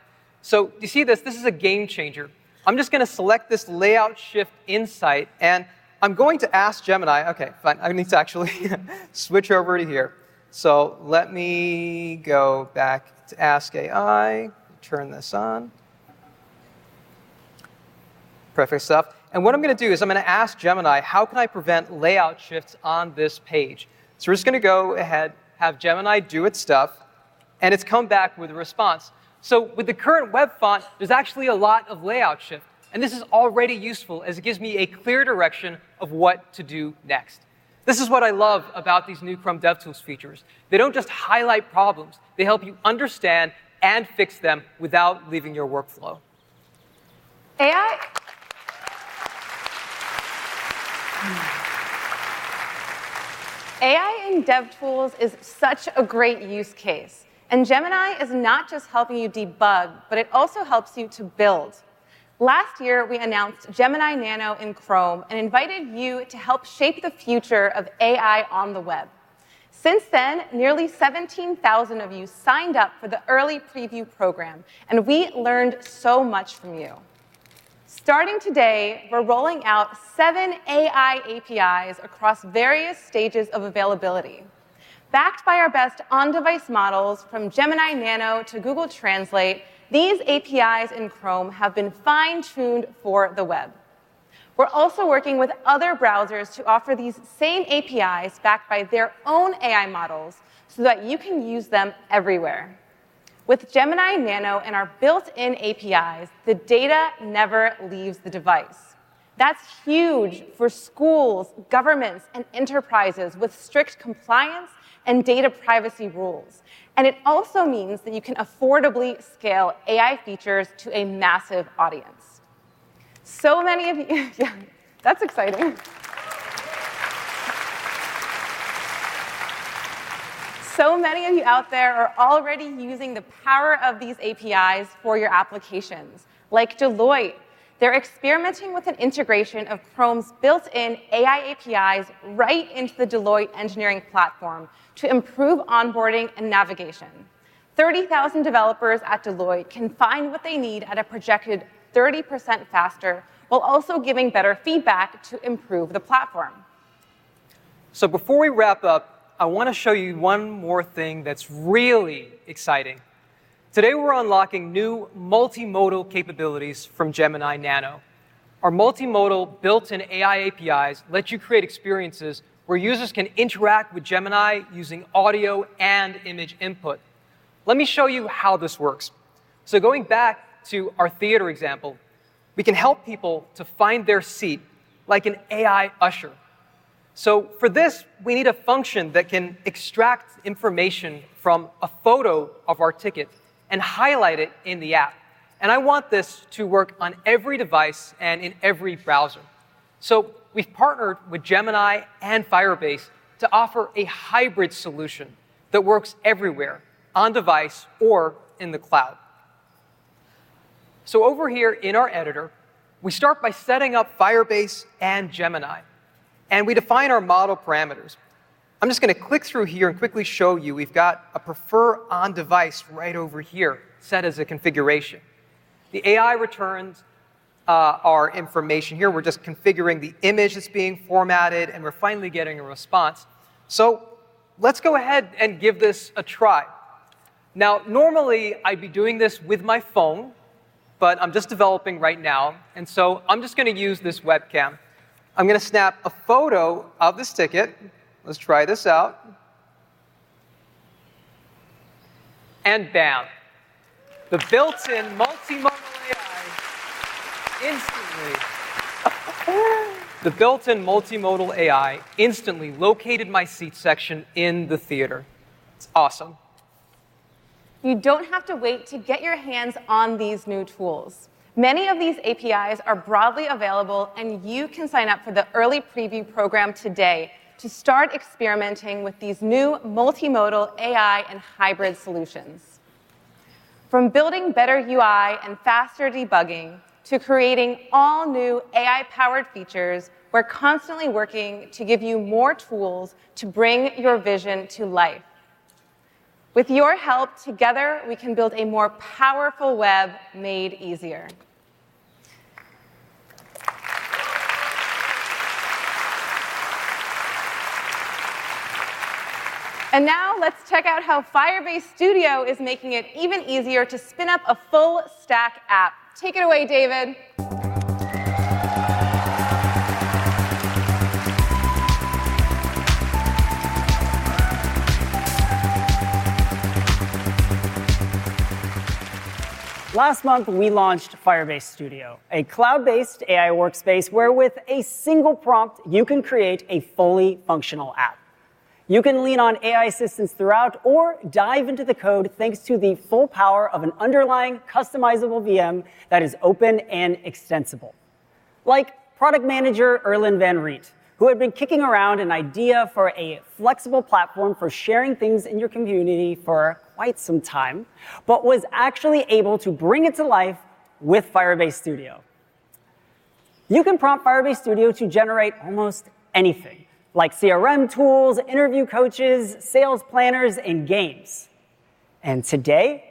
So do you see this? This is a game changer. I'm just going to select this layout shift insight. And I'm going to ask Gemini. OK, fine. I need to actually switch over to here. So let me go back to Ask AI, turn this on. Perfect stuff. And what I'm going to do is I'm going to ask Gemini, how can I prevent layout shifts on this page? So we're just going to go ahead, have Gemini do its stuff. It's come back with a response. So with the current web font, there's actually a lot of layout shift. And this is already useful, as it gives me a clear direction of what to do next. This is what I love about these new Chrome DevTools features. They don't just highlight problems. They help you understand and fix them without leaving your workflow. AI. AI in DevTools is such a great use case. And Gemini is not just helping you debug, but it also helps you to build. Last year, we announced Gemini Nano in Chrome and invited you to help shape the future of AI on the web. Since then, nearly 17,000 of you signed up for the early preview program. And we learned so much from you. Starting today, we're rolling out seven AI APIs across various stages of availability. Backed by our best on-device models from Gemini Nano to Google Translate, these APIs in Chrome have been fine-tuned for the web. We're also working with other browsers to offer these same APIs backed by their own AI models so that you can use them everywhere. With Gemini Nano and our built-in APIs, the data never leaves the device. That's huge for schools, governments, and enterprises with strict compliance and data privacy rules. And it also means that you can affordably scale AI features to a massive audience. So many of you. Yeah, that's exciting. So many of you out there are already using the power of these APIs for your applications. Like Deloitte, they're experimenting with an integration of Chrome's built-in AI APIs right into the Deloitte engineering platform to improve onboarding and navigation. 30,000 developers at Deloitte can find what they need at a projected 30% faster while also giving better feedback to improve the platform. Before we wrap up, I want to show you one more thing that's really exciting. Today, we're unlocking new multimodal capabilities from Gemini Nano. Our multimodal built-in AI APIs let you create experiences where users can interact with Gemini using audio and image input. Let me show you how this works. Going back to our theater example, we can help people to find their seat like an AI usher. For this, we need a function that can extract information from a photo of our ticket and highlight it in the app. I want this to work on every device and in every browser. We've partnered with Gemini and Firebase to offer a hybrid solution that works everywhere, on-device or in the cloud. Over here in our editor, we start by setting up Firebase and Gemini. We define our model parameters. I'm just going to click through here and quickly show you. We've got a Prefer on-device right over here set as a configuration. The AI returns our information here. We're just configuring the image that's being formatted. And we're finally getting a response. So let's go ahead and give this a try. Now, normally, I'd be doing this with my phone. But I'm just developing right now. And so I'm just going to use this webcam. I'm going to snap a photo of this ticket. Let's try this out. And bam. The built-in multimodal AI instantly located my seat section in the theater. It's awesome. You don't have to wait to get your hands on these new tools. Many of these APIs are broadly available. And you can sign up for the early preview program today to start experimenting with these new multimodal AI and hybrid solutions. From building better UI and faster debugging to creating all new AI-powered features, we're constantly working to give you more tools to bring your vision to life. With your help, together, we can build a more powerful web made easier. And now, let's check out how Firebase Studio is making it even easier to spin up a full-stack app. Take it away, David. Last month, we launched Firebase Studio, a cloud-based AI workspace where, with a single prompt, you can create a fully functional app. You can lean on AI assistance throughout or dive into the code, thanks to the full power of an underlying customizable VM that is open and extensible. Like product manager Erlyn van Reet, who had been kicking around an idea for a flexible platform for sharing things in your community for quite some time, but was actually able to bring it to life with Firebase Studio. You can prompt Firebase Studio to generate almost anything, like CRM tools, interview coaches, sales planners, and games, and today,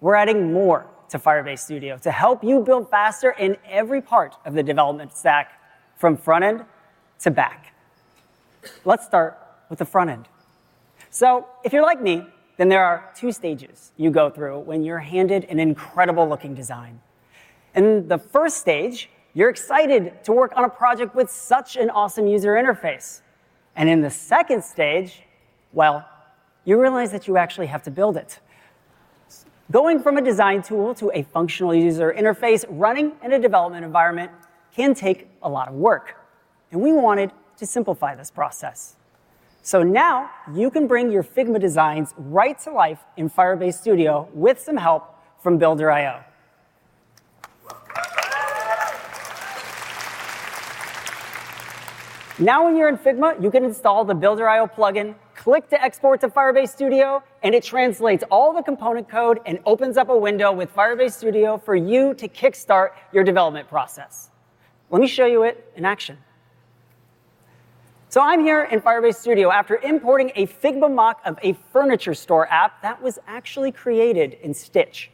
we're adding more to Firebase Studio to help you build faster in every part of the development stack, from front end to back. Let's start with the front end. So if you're like me, then there are two stages you go through when you're handed an incredible-looking design. In the first stage, you're excited to work on a project with such an awesome user interface. And in the second stage, well, you realize that you actually have to build it. Going from a design tool to a functional user interface running in a development environment can take a lot of work. And we wanted to simplify this process. So now, you can bring your Figma designs right to life in Firebase Studio with some help from Builder.io. Now, when you're in Figma, you can install the Builder.io plugin, click to export to Firebase Studio, and it translates all the component code and opens up a window with Firebase Studio for you to kickstart your development process. Let me show you it in action. I'm here in Firebase Studio after importing a Figma mock of a furniture store app that was actually created in Stitch.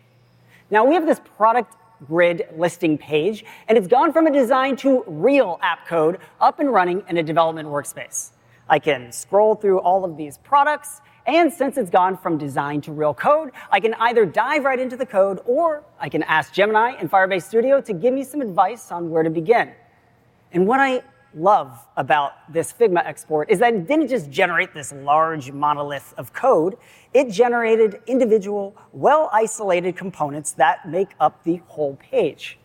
Now, we have this product grid listing page. And it's gone from a design to real app code up and running in a development workspace. I can scroll through all of these products. And since it's gone from design to real code, I can either dive right into the code or I can ask Gemini in Firebase Studio to give me some advice on where to begin. And what I love about this Figma export is that it didn't just generate this large monolith of code. It generated individual, well-isolated components that make up the whole page.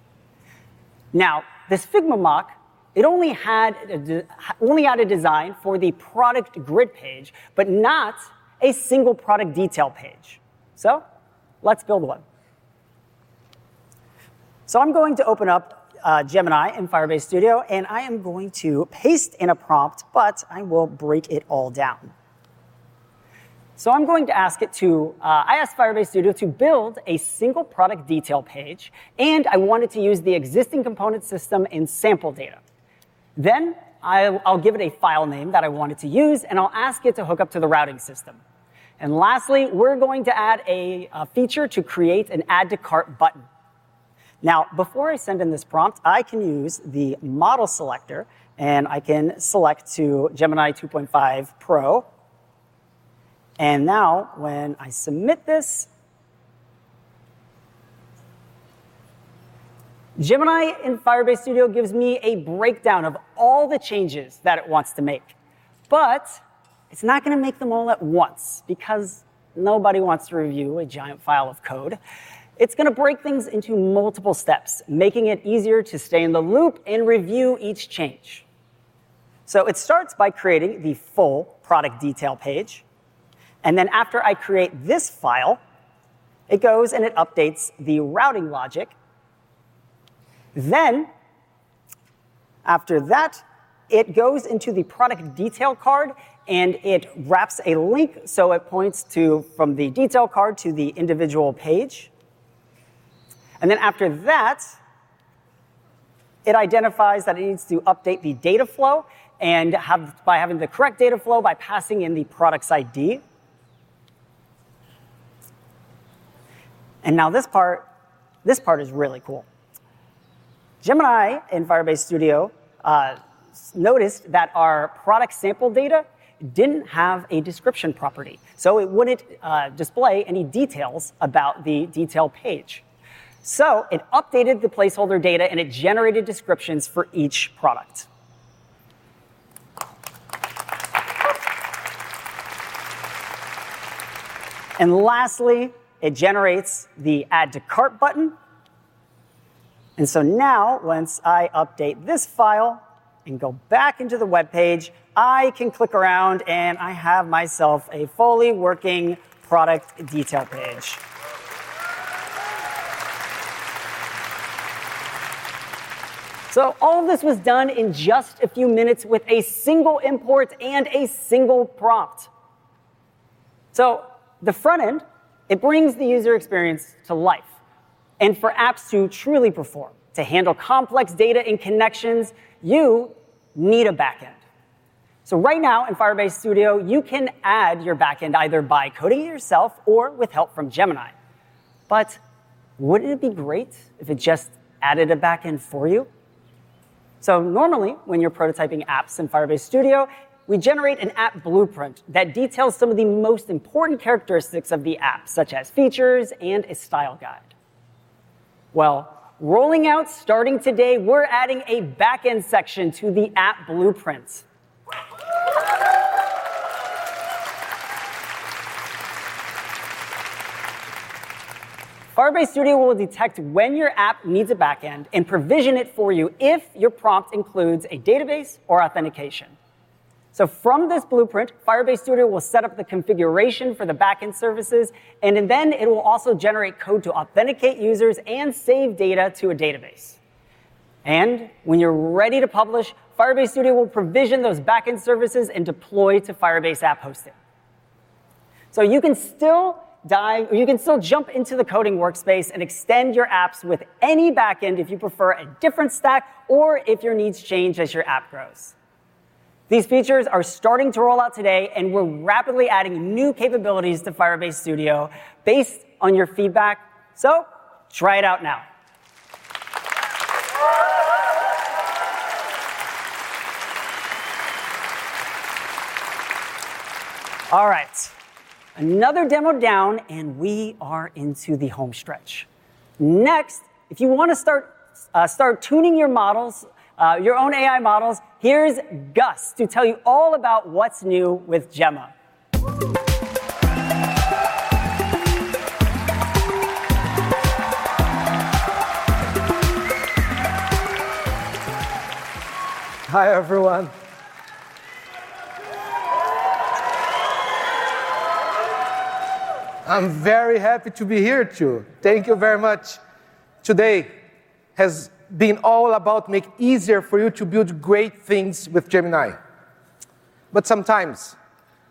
Now, this Figma mock, it only had a design for the product grid page, but not a single product detail page. So let's build one. I'm going to open up Gemini in Firebase Studio. And I am going to paste in a prompt. But I will break it all down. I'm going to ask it to. I asked Firebase Studio to build a single product detail page. And I wanted to use the existing component system and sample data. Then, I'll give it a file name that I wanted to use. And I'll ask it to hook up to the routing system. And lastly, we're going to add a feature to create an Add to Cart button. Now, before I send in this prompt, I can use the model selector. And I can select to Gemini 2.5 Pro. And now, when I submit this, Gemini in Firebase Studio gives me a breakdown of all the changes that it wants to make. But it's not going to make them all at once because nobody wants to review a giant file of code. It's going to break things into multiple steps, making it easier to stay in the loop and review each change. So it starts by creating the full product detail page. And then, after I create this file, it goes and it updates the routing logic. Then, after that, it goes into the product detail card. And it wraps a link so it points from the detail card to the individual page. And then, after that, it identifies that it needs to update the data flow by having the correct data flow by passing in the product's ID. And now, this part is really cool. Gemini in Firebase Studio noticed that our product sample data didn't have a description property. So it wouldn't display any details about the detail page. So it updated the placeholder data. And it generated descriptions for each product. And lastly, it generates the add to cart button. And so now, once I update this file and go back into the web page, I can click around. And I have myself a fully working product detail page. So all of this was done in just a few minutes with a single import and a single prompt. So the front end, it brings the user experience to life. And for apps to truly perform, to handle complex data and connections, you need a back end. So right now, in Firebase Studio, you can add your back end either by coding it yourself or with help from Gemini. But wouldn't it be great if it just added a back end for you? Normally, when you're prototyping apps in Firebase Studio, we generate an app blueprint that details some of the most important characteristics of the app, such as features and a style guide. Rolling out starting today, we're adding a back end section to the app blueprint. Firebase Studio will detect when your app needs a back end and provision it for you if your prompt includes a database or authentication. From this blueprint, Firebase Studio will set up the configuration for the back end services. It will also generate code to authenticate users and save data to a database. When you're ready to publish, Firebase Studio will provision those back end services and deploy to Firebase App Hosting. So you can still dive or you can still jump into the coding workspace and extend your apps with any back end if you prefer a different stack or if your needs change as your app grows. These features are starting to roll out today. And we're rapidly adding new capabilities to Firebase Studio based on your feedback. So try it out now. All right. Another demo down. And we are into the home stretch. Next, if you want to start tuning your models, your own AI models, here's Gus to tell you all about what's new with Gemma. Hi, everyone. I'm very happy to be here too. Thank you very much. Today has been all about making it easier for you to build great things with Gemini, but sometimes,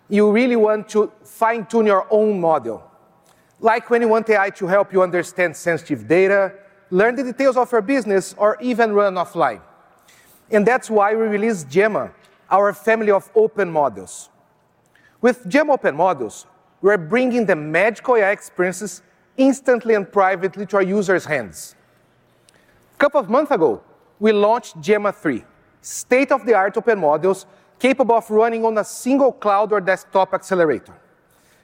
you really want to fine-tune your own model, like when you want AI to help you understand sensitive data, learn the details of your business, or even run offline. And that's why we released Gemma, our family of open models. With Gemma open models, we're bringing the magical AI experiences instantly and privately to our users' hands. A couple of months ago, we launched Gemma 3, state-of-the-art open models capable of running on a single cloud or desktop accelerator,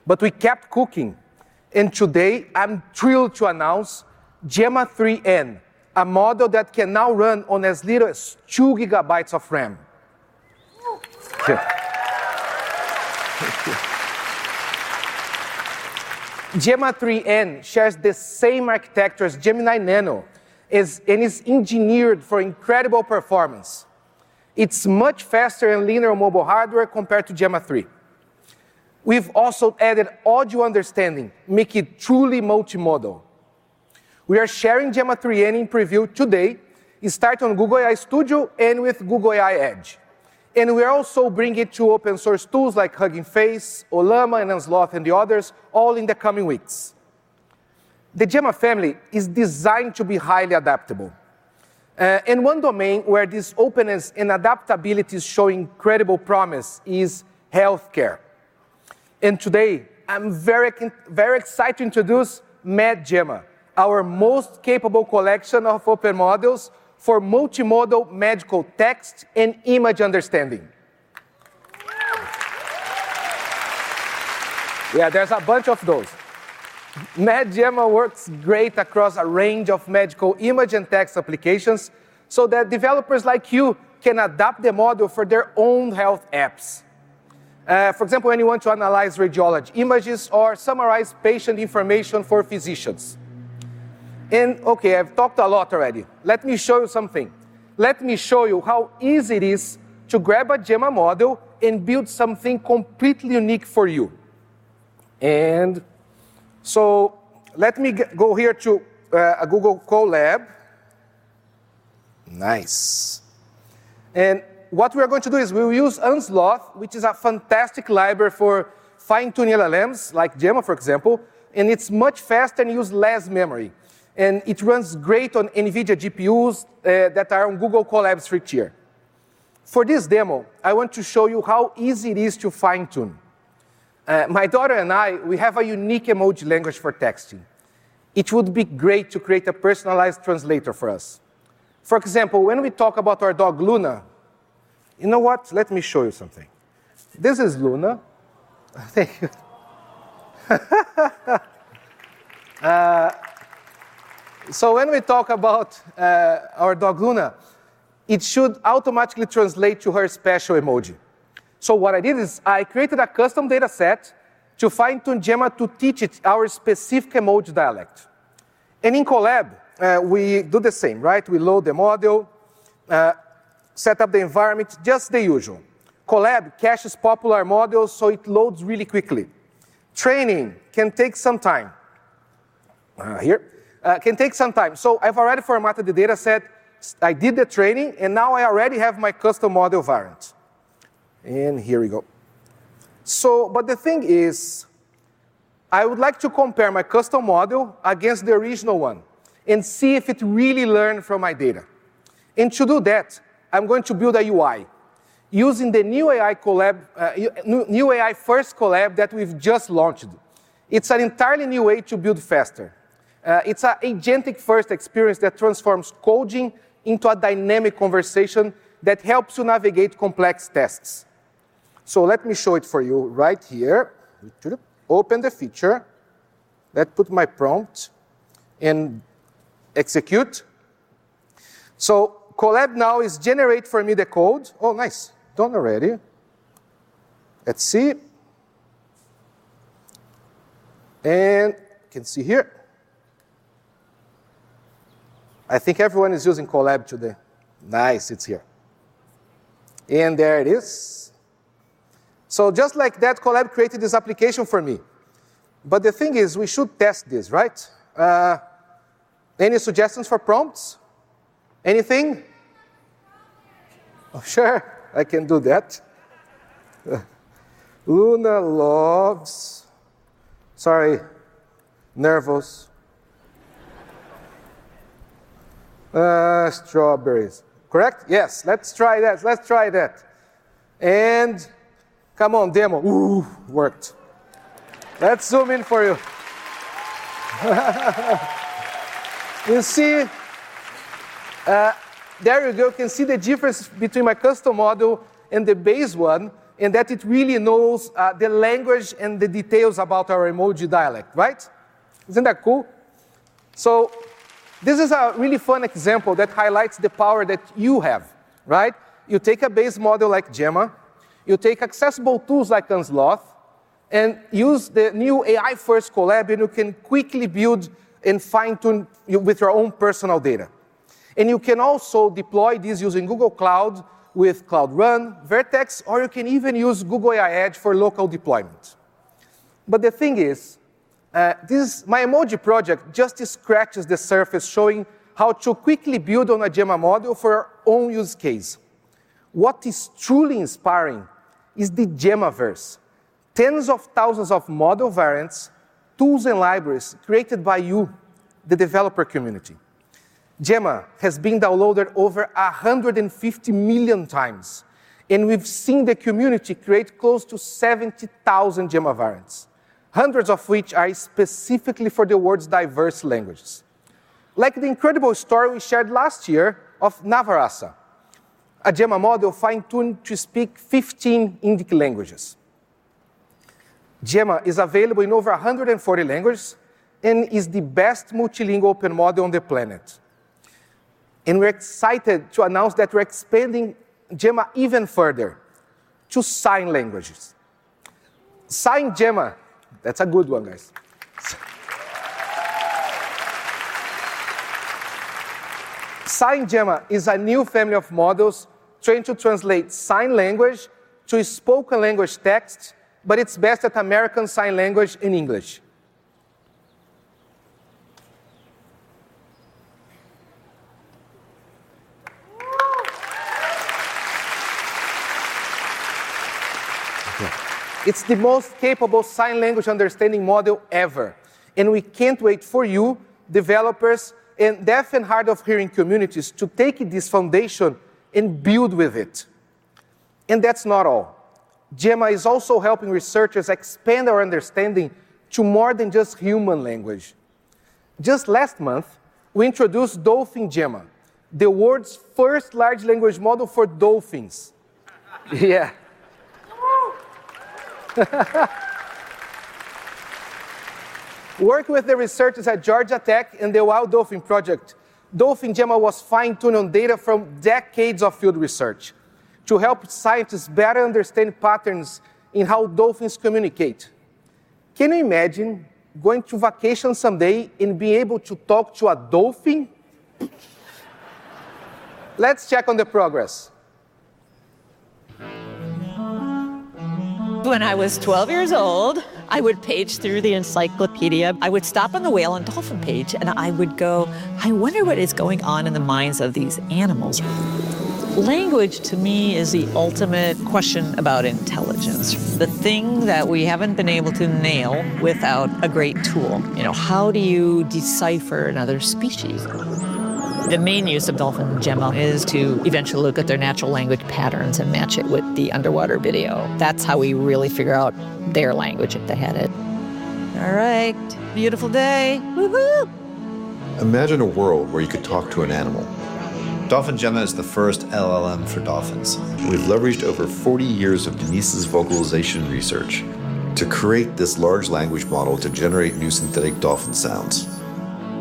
but we kept cooking, and today, I'm thrilled to announce Gemma 3N, a model that can now run on as little as two gigabytes of RAM. Gemma 3N shares the same architecture as Gemini Nano, and it's engineered for incredible performance. It's much faster and leaner on mobile hardware compared to Gemma 3. We've also added audio understanding, making it truly multimodal. We are sharing Gemma 3N in preview today. It starts on Google AI Studio and with Google AI Edge. And we are also bringing it to open-source tools like Hugging Face, Ollama and Unsloth, and the others, all in the coming weeks. The Gemma family is designed to be highly adaptable. And one domain where this openness and adaptability is showing incredible promise is health care. And today, I'm very excited to introduce MedGemma, our most capable collection of open models for multimodal medical text and image understanding. Yeah, there's a bunch of those. MedGemma works great across a range of medical image and text applications so that developers like you can adapt the model for their own health apps. For example, when you want to analyze radiology images or summarize patient information for physicians, and OK, I've talked a lot already. Let me show you something. Let me show you how easy it is to grab a Gemma model and build something completely unique for you, and so let me go here to a Google Colab. Nice, and what we are going to do is we will use Unsloth, which is a fantastic library for fine-tuning LLMs like Gemma, for example, and it's much faster and uses less memory, and it runs great on NVIDIA GPUs that are on Google Colab's free tier. For this demo, I want to show you how easy it is to fine-tune. My daughter and I, we have a unique emoji language for texting. It would be great to create a personalized translator for us. For example, when we talk about our dog, Luna, you know what? Let me show you something. This is Luna. Thank you. So when we talk about our dog, Luna, it should automatically translate to her special emoji. So what I did is I created a custom data set to fine-tune Gemma to teach it our specific emoji dialect. And in Colab, we do the same, right? We load the model, set up the environment, just the usual. Colab caches popular models, so it loads really quickly. Training can take some time. So I've already formatted the data set. I did the training. And now, I already have my custom model variant. And here we go. But the thing is, I would like to compare my custom model against the original one and see if it really learned from my data. And to do that, I'm going to build a UI using the new AI-first Colab that we've just launched. It's an entirely new way to build faster. It's an agentic-first experience that transforms coding into a dynamic conversation that helps you navigate complex tests. So let me show it for you right here. Open the feature. Let's put my prompt and execute. So Colab now is generating for me the code. Oh, nice. Done already. Let's see. And you can see here. I think everyone is using Colab today. Nice. It's here. And there it is. So just like that, Colab created this application for me. But the thing is, we should test this, right? Any suggestions for prompts? Anything? Oh, sure. I can do that. Luna loves—sorry, nervous. Strawberries. Correct? Yes. Let's try that. Let's try that. And come on, demo. Ooh, worked. Let's zoom in for you. You see? There you go. You can see the difference between my custom model and the base one and that it really knows the language and the details about our emoji dialect, right? Isn't that cool? So this is a really fun example that highlights the power that you have, right? You take a base model like Gemma. You take accessible tools like Unsloth and use the new AI First Colab. And you can quickly build and fine-tune with your own personal data. And you can also deploy this using Google Cloud with Cloud Run, Vertex. Or you can even use Google AI Edge for local deployment. But the thing is, my emoji project just scratches the surface, showing how to quickly build on a Gemma model for your own use case. What is truly inspiring is the Gemma verse: tens of thousands of model variants, tools, and libraries created by you, the developer community. Gemma has been downloaded over 150 million times. And we've seen the community create close to 70,000 Gemma variants, hundreds of which are specifically for the world's diverse languages, like the incredible story we shared last year of Navarasa, a Gemma model fine-tuned to speak 15 Indic languages. Gemma is available in over 140 languages and is the best multilingual open model on the planet. And we're excited to announce that we're expanding Gemma even further to sign languages. SignGemma. That's a good one, guys. SignGemma is a new family of models trained to translate sign language to spoken language text, but it's best at American Sign Language and English. It's the most capable sign language understanding model ever. And we can't wait for you, developers, and deaf and hard-of-hearing communities to take this foundation and build with it. And that's not all. Gemma is also helping researchers expand our understanding to more than just human language. Just last month, we introduced DolphinGemma, the world's first large language model for dolphins. Yeah. Working with the researchers at Georgia Tech and the Wild Dolphin Project, DolphinGemma was fine-tuned on data from decades of field research to help scientists better understand patterns in how dolphins communicate. Can you imagine going to vacation someday and being able to talk to a dolphin? Let's check on the progress. When I was 12 years old, I would page through the encyclopedia. I would stop on the whale and dolphin page. I would go, I wonder what is going on in the minds of these animals. Language, to me, is the ultimate question about intelligence, the thing that we haven't been able to nail without a great tool. How do you decipher another species? The main use of Dolphin Gemma is to eventually look at their natural language patterns and match it with the underwater video. That's how we really figure out their language if they had it. All right. Beautiful day. Woo-hoo. Imagine a world where you could talk to an animal. Dolphin Gemma is the first LLM for dolphins. We've leveraged over 40 years of Denise's vocalization research to create this large language model to generate new synthetic dolphin sounds.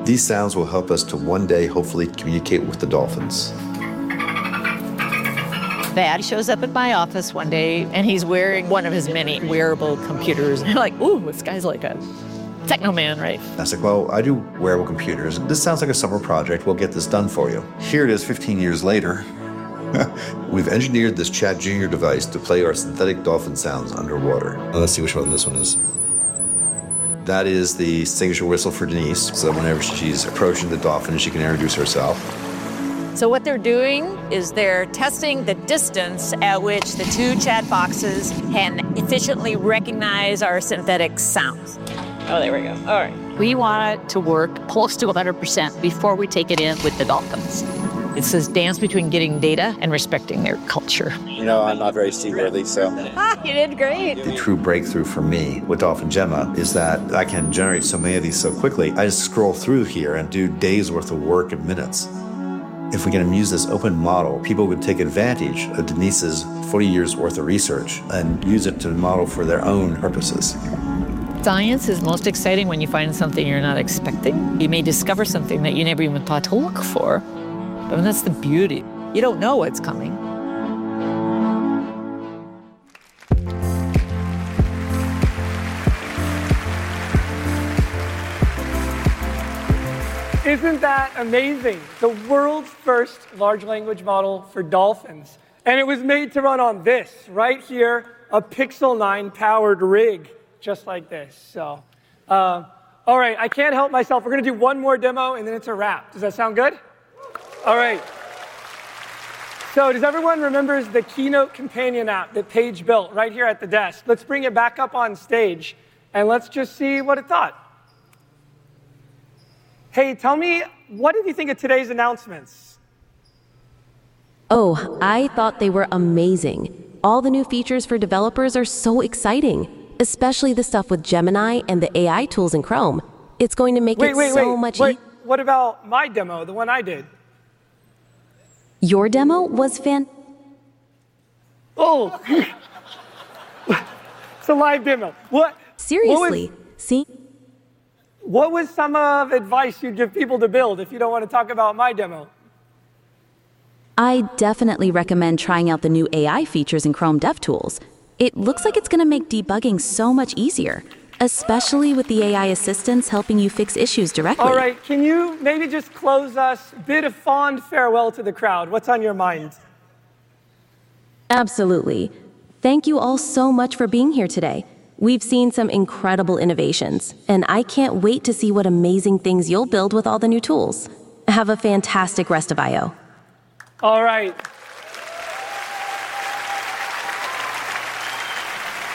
These sounds will help us to one day, hopefully, communicate with the dolphins. Thad shows up at my office one day. And he's wearing one of his many wearable computers. And I'm like, ooh, this guy's like a techno man, right? I said, well, I do wearable computers. This sounds like a summer project. We'll get this done for you. Here it is 15 years later. We've engineered this ChatGenius device to play our synthetic dolphin sounds underwater. Let's see which one this one is. That is the signature whistle for Denise. So whenever she's approaching the dolphin, she can introduce herself. So what they're doing is they're testing the distance at which the two chat boxes can efficiently recognize our synthetic sounds. Oh, there we go. All right. We want it to work close to 100% before we take it in with the dolphins. It's this dance between getting data and respecting their culture. You know I'm not very steamed early, so. You did great. The true breakthrough for me with Dolphin Gemma is that I can generate so many of these so quickly. I just scroll through here and do days' worth of work in minutes. If we can use this open model, people would take advantage of Denise's 40 years' worth of research and use it to model for their own purposes. Science is most exciting when you find something you're not expecting. You may discover something that you never even thought to look for, and that's the beauty. You don't know what's coming. Isn't that amazing? The world's first large language model for dolphins, and it was made to run on this, right here, a Pixel 9-powered rig, just like this. So all right, I can't help myself. We're going to do one more demo, and then it's a wrap. Does that sound good? All right. So does everyone remember the keynote companion app that Paige built right here at the desk? Let's bring it back up on stage, and let's just see what it thought. Hey, tell me, what did you think of today's announcements? Oh, I thought they were amazing. All the new features for developers are so exciting, especially the stuff with Gemini and the AI tools in Chrome. It's going to make it so much easier. Wait, wait, wait. Wait. What about my demo, the one I did? Your demo was fan-. Oh. It's a live demo. What? Seriously. What was some advice you'd give people to build if you don't want to talk about my demo? I definitely recommend trying out the new AI features in Chrome DevTools. It looks like it's going to make debugging so much easier, especially with the AI assistants helping you fix issues directly. All right. Can you maybe just close us with a fond farewell to the crowd? What's on your mind? Absolutely. Thank you all so much for being here today. We've seen some incredible innovations, and I can't wait to see what amazing things you'll build with all the new tools. Have a fantastic rest of I/O. All right.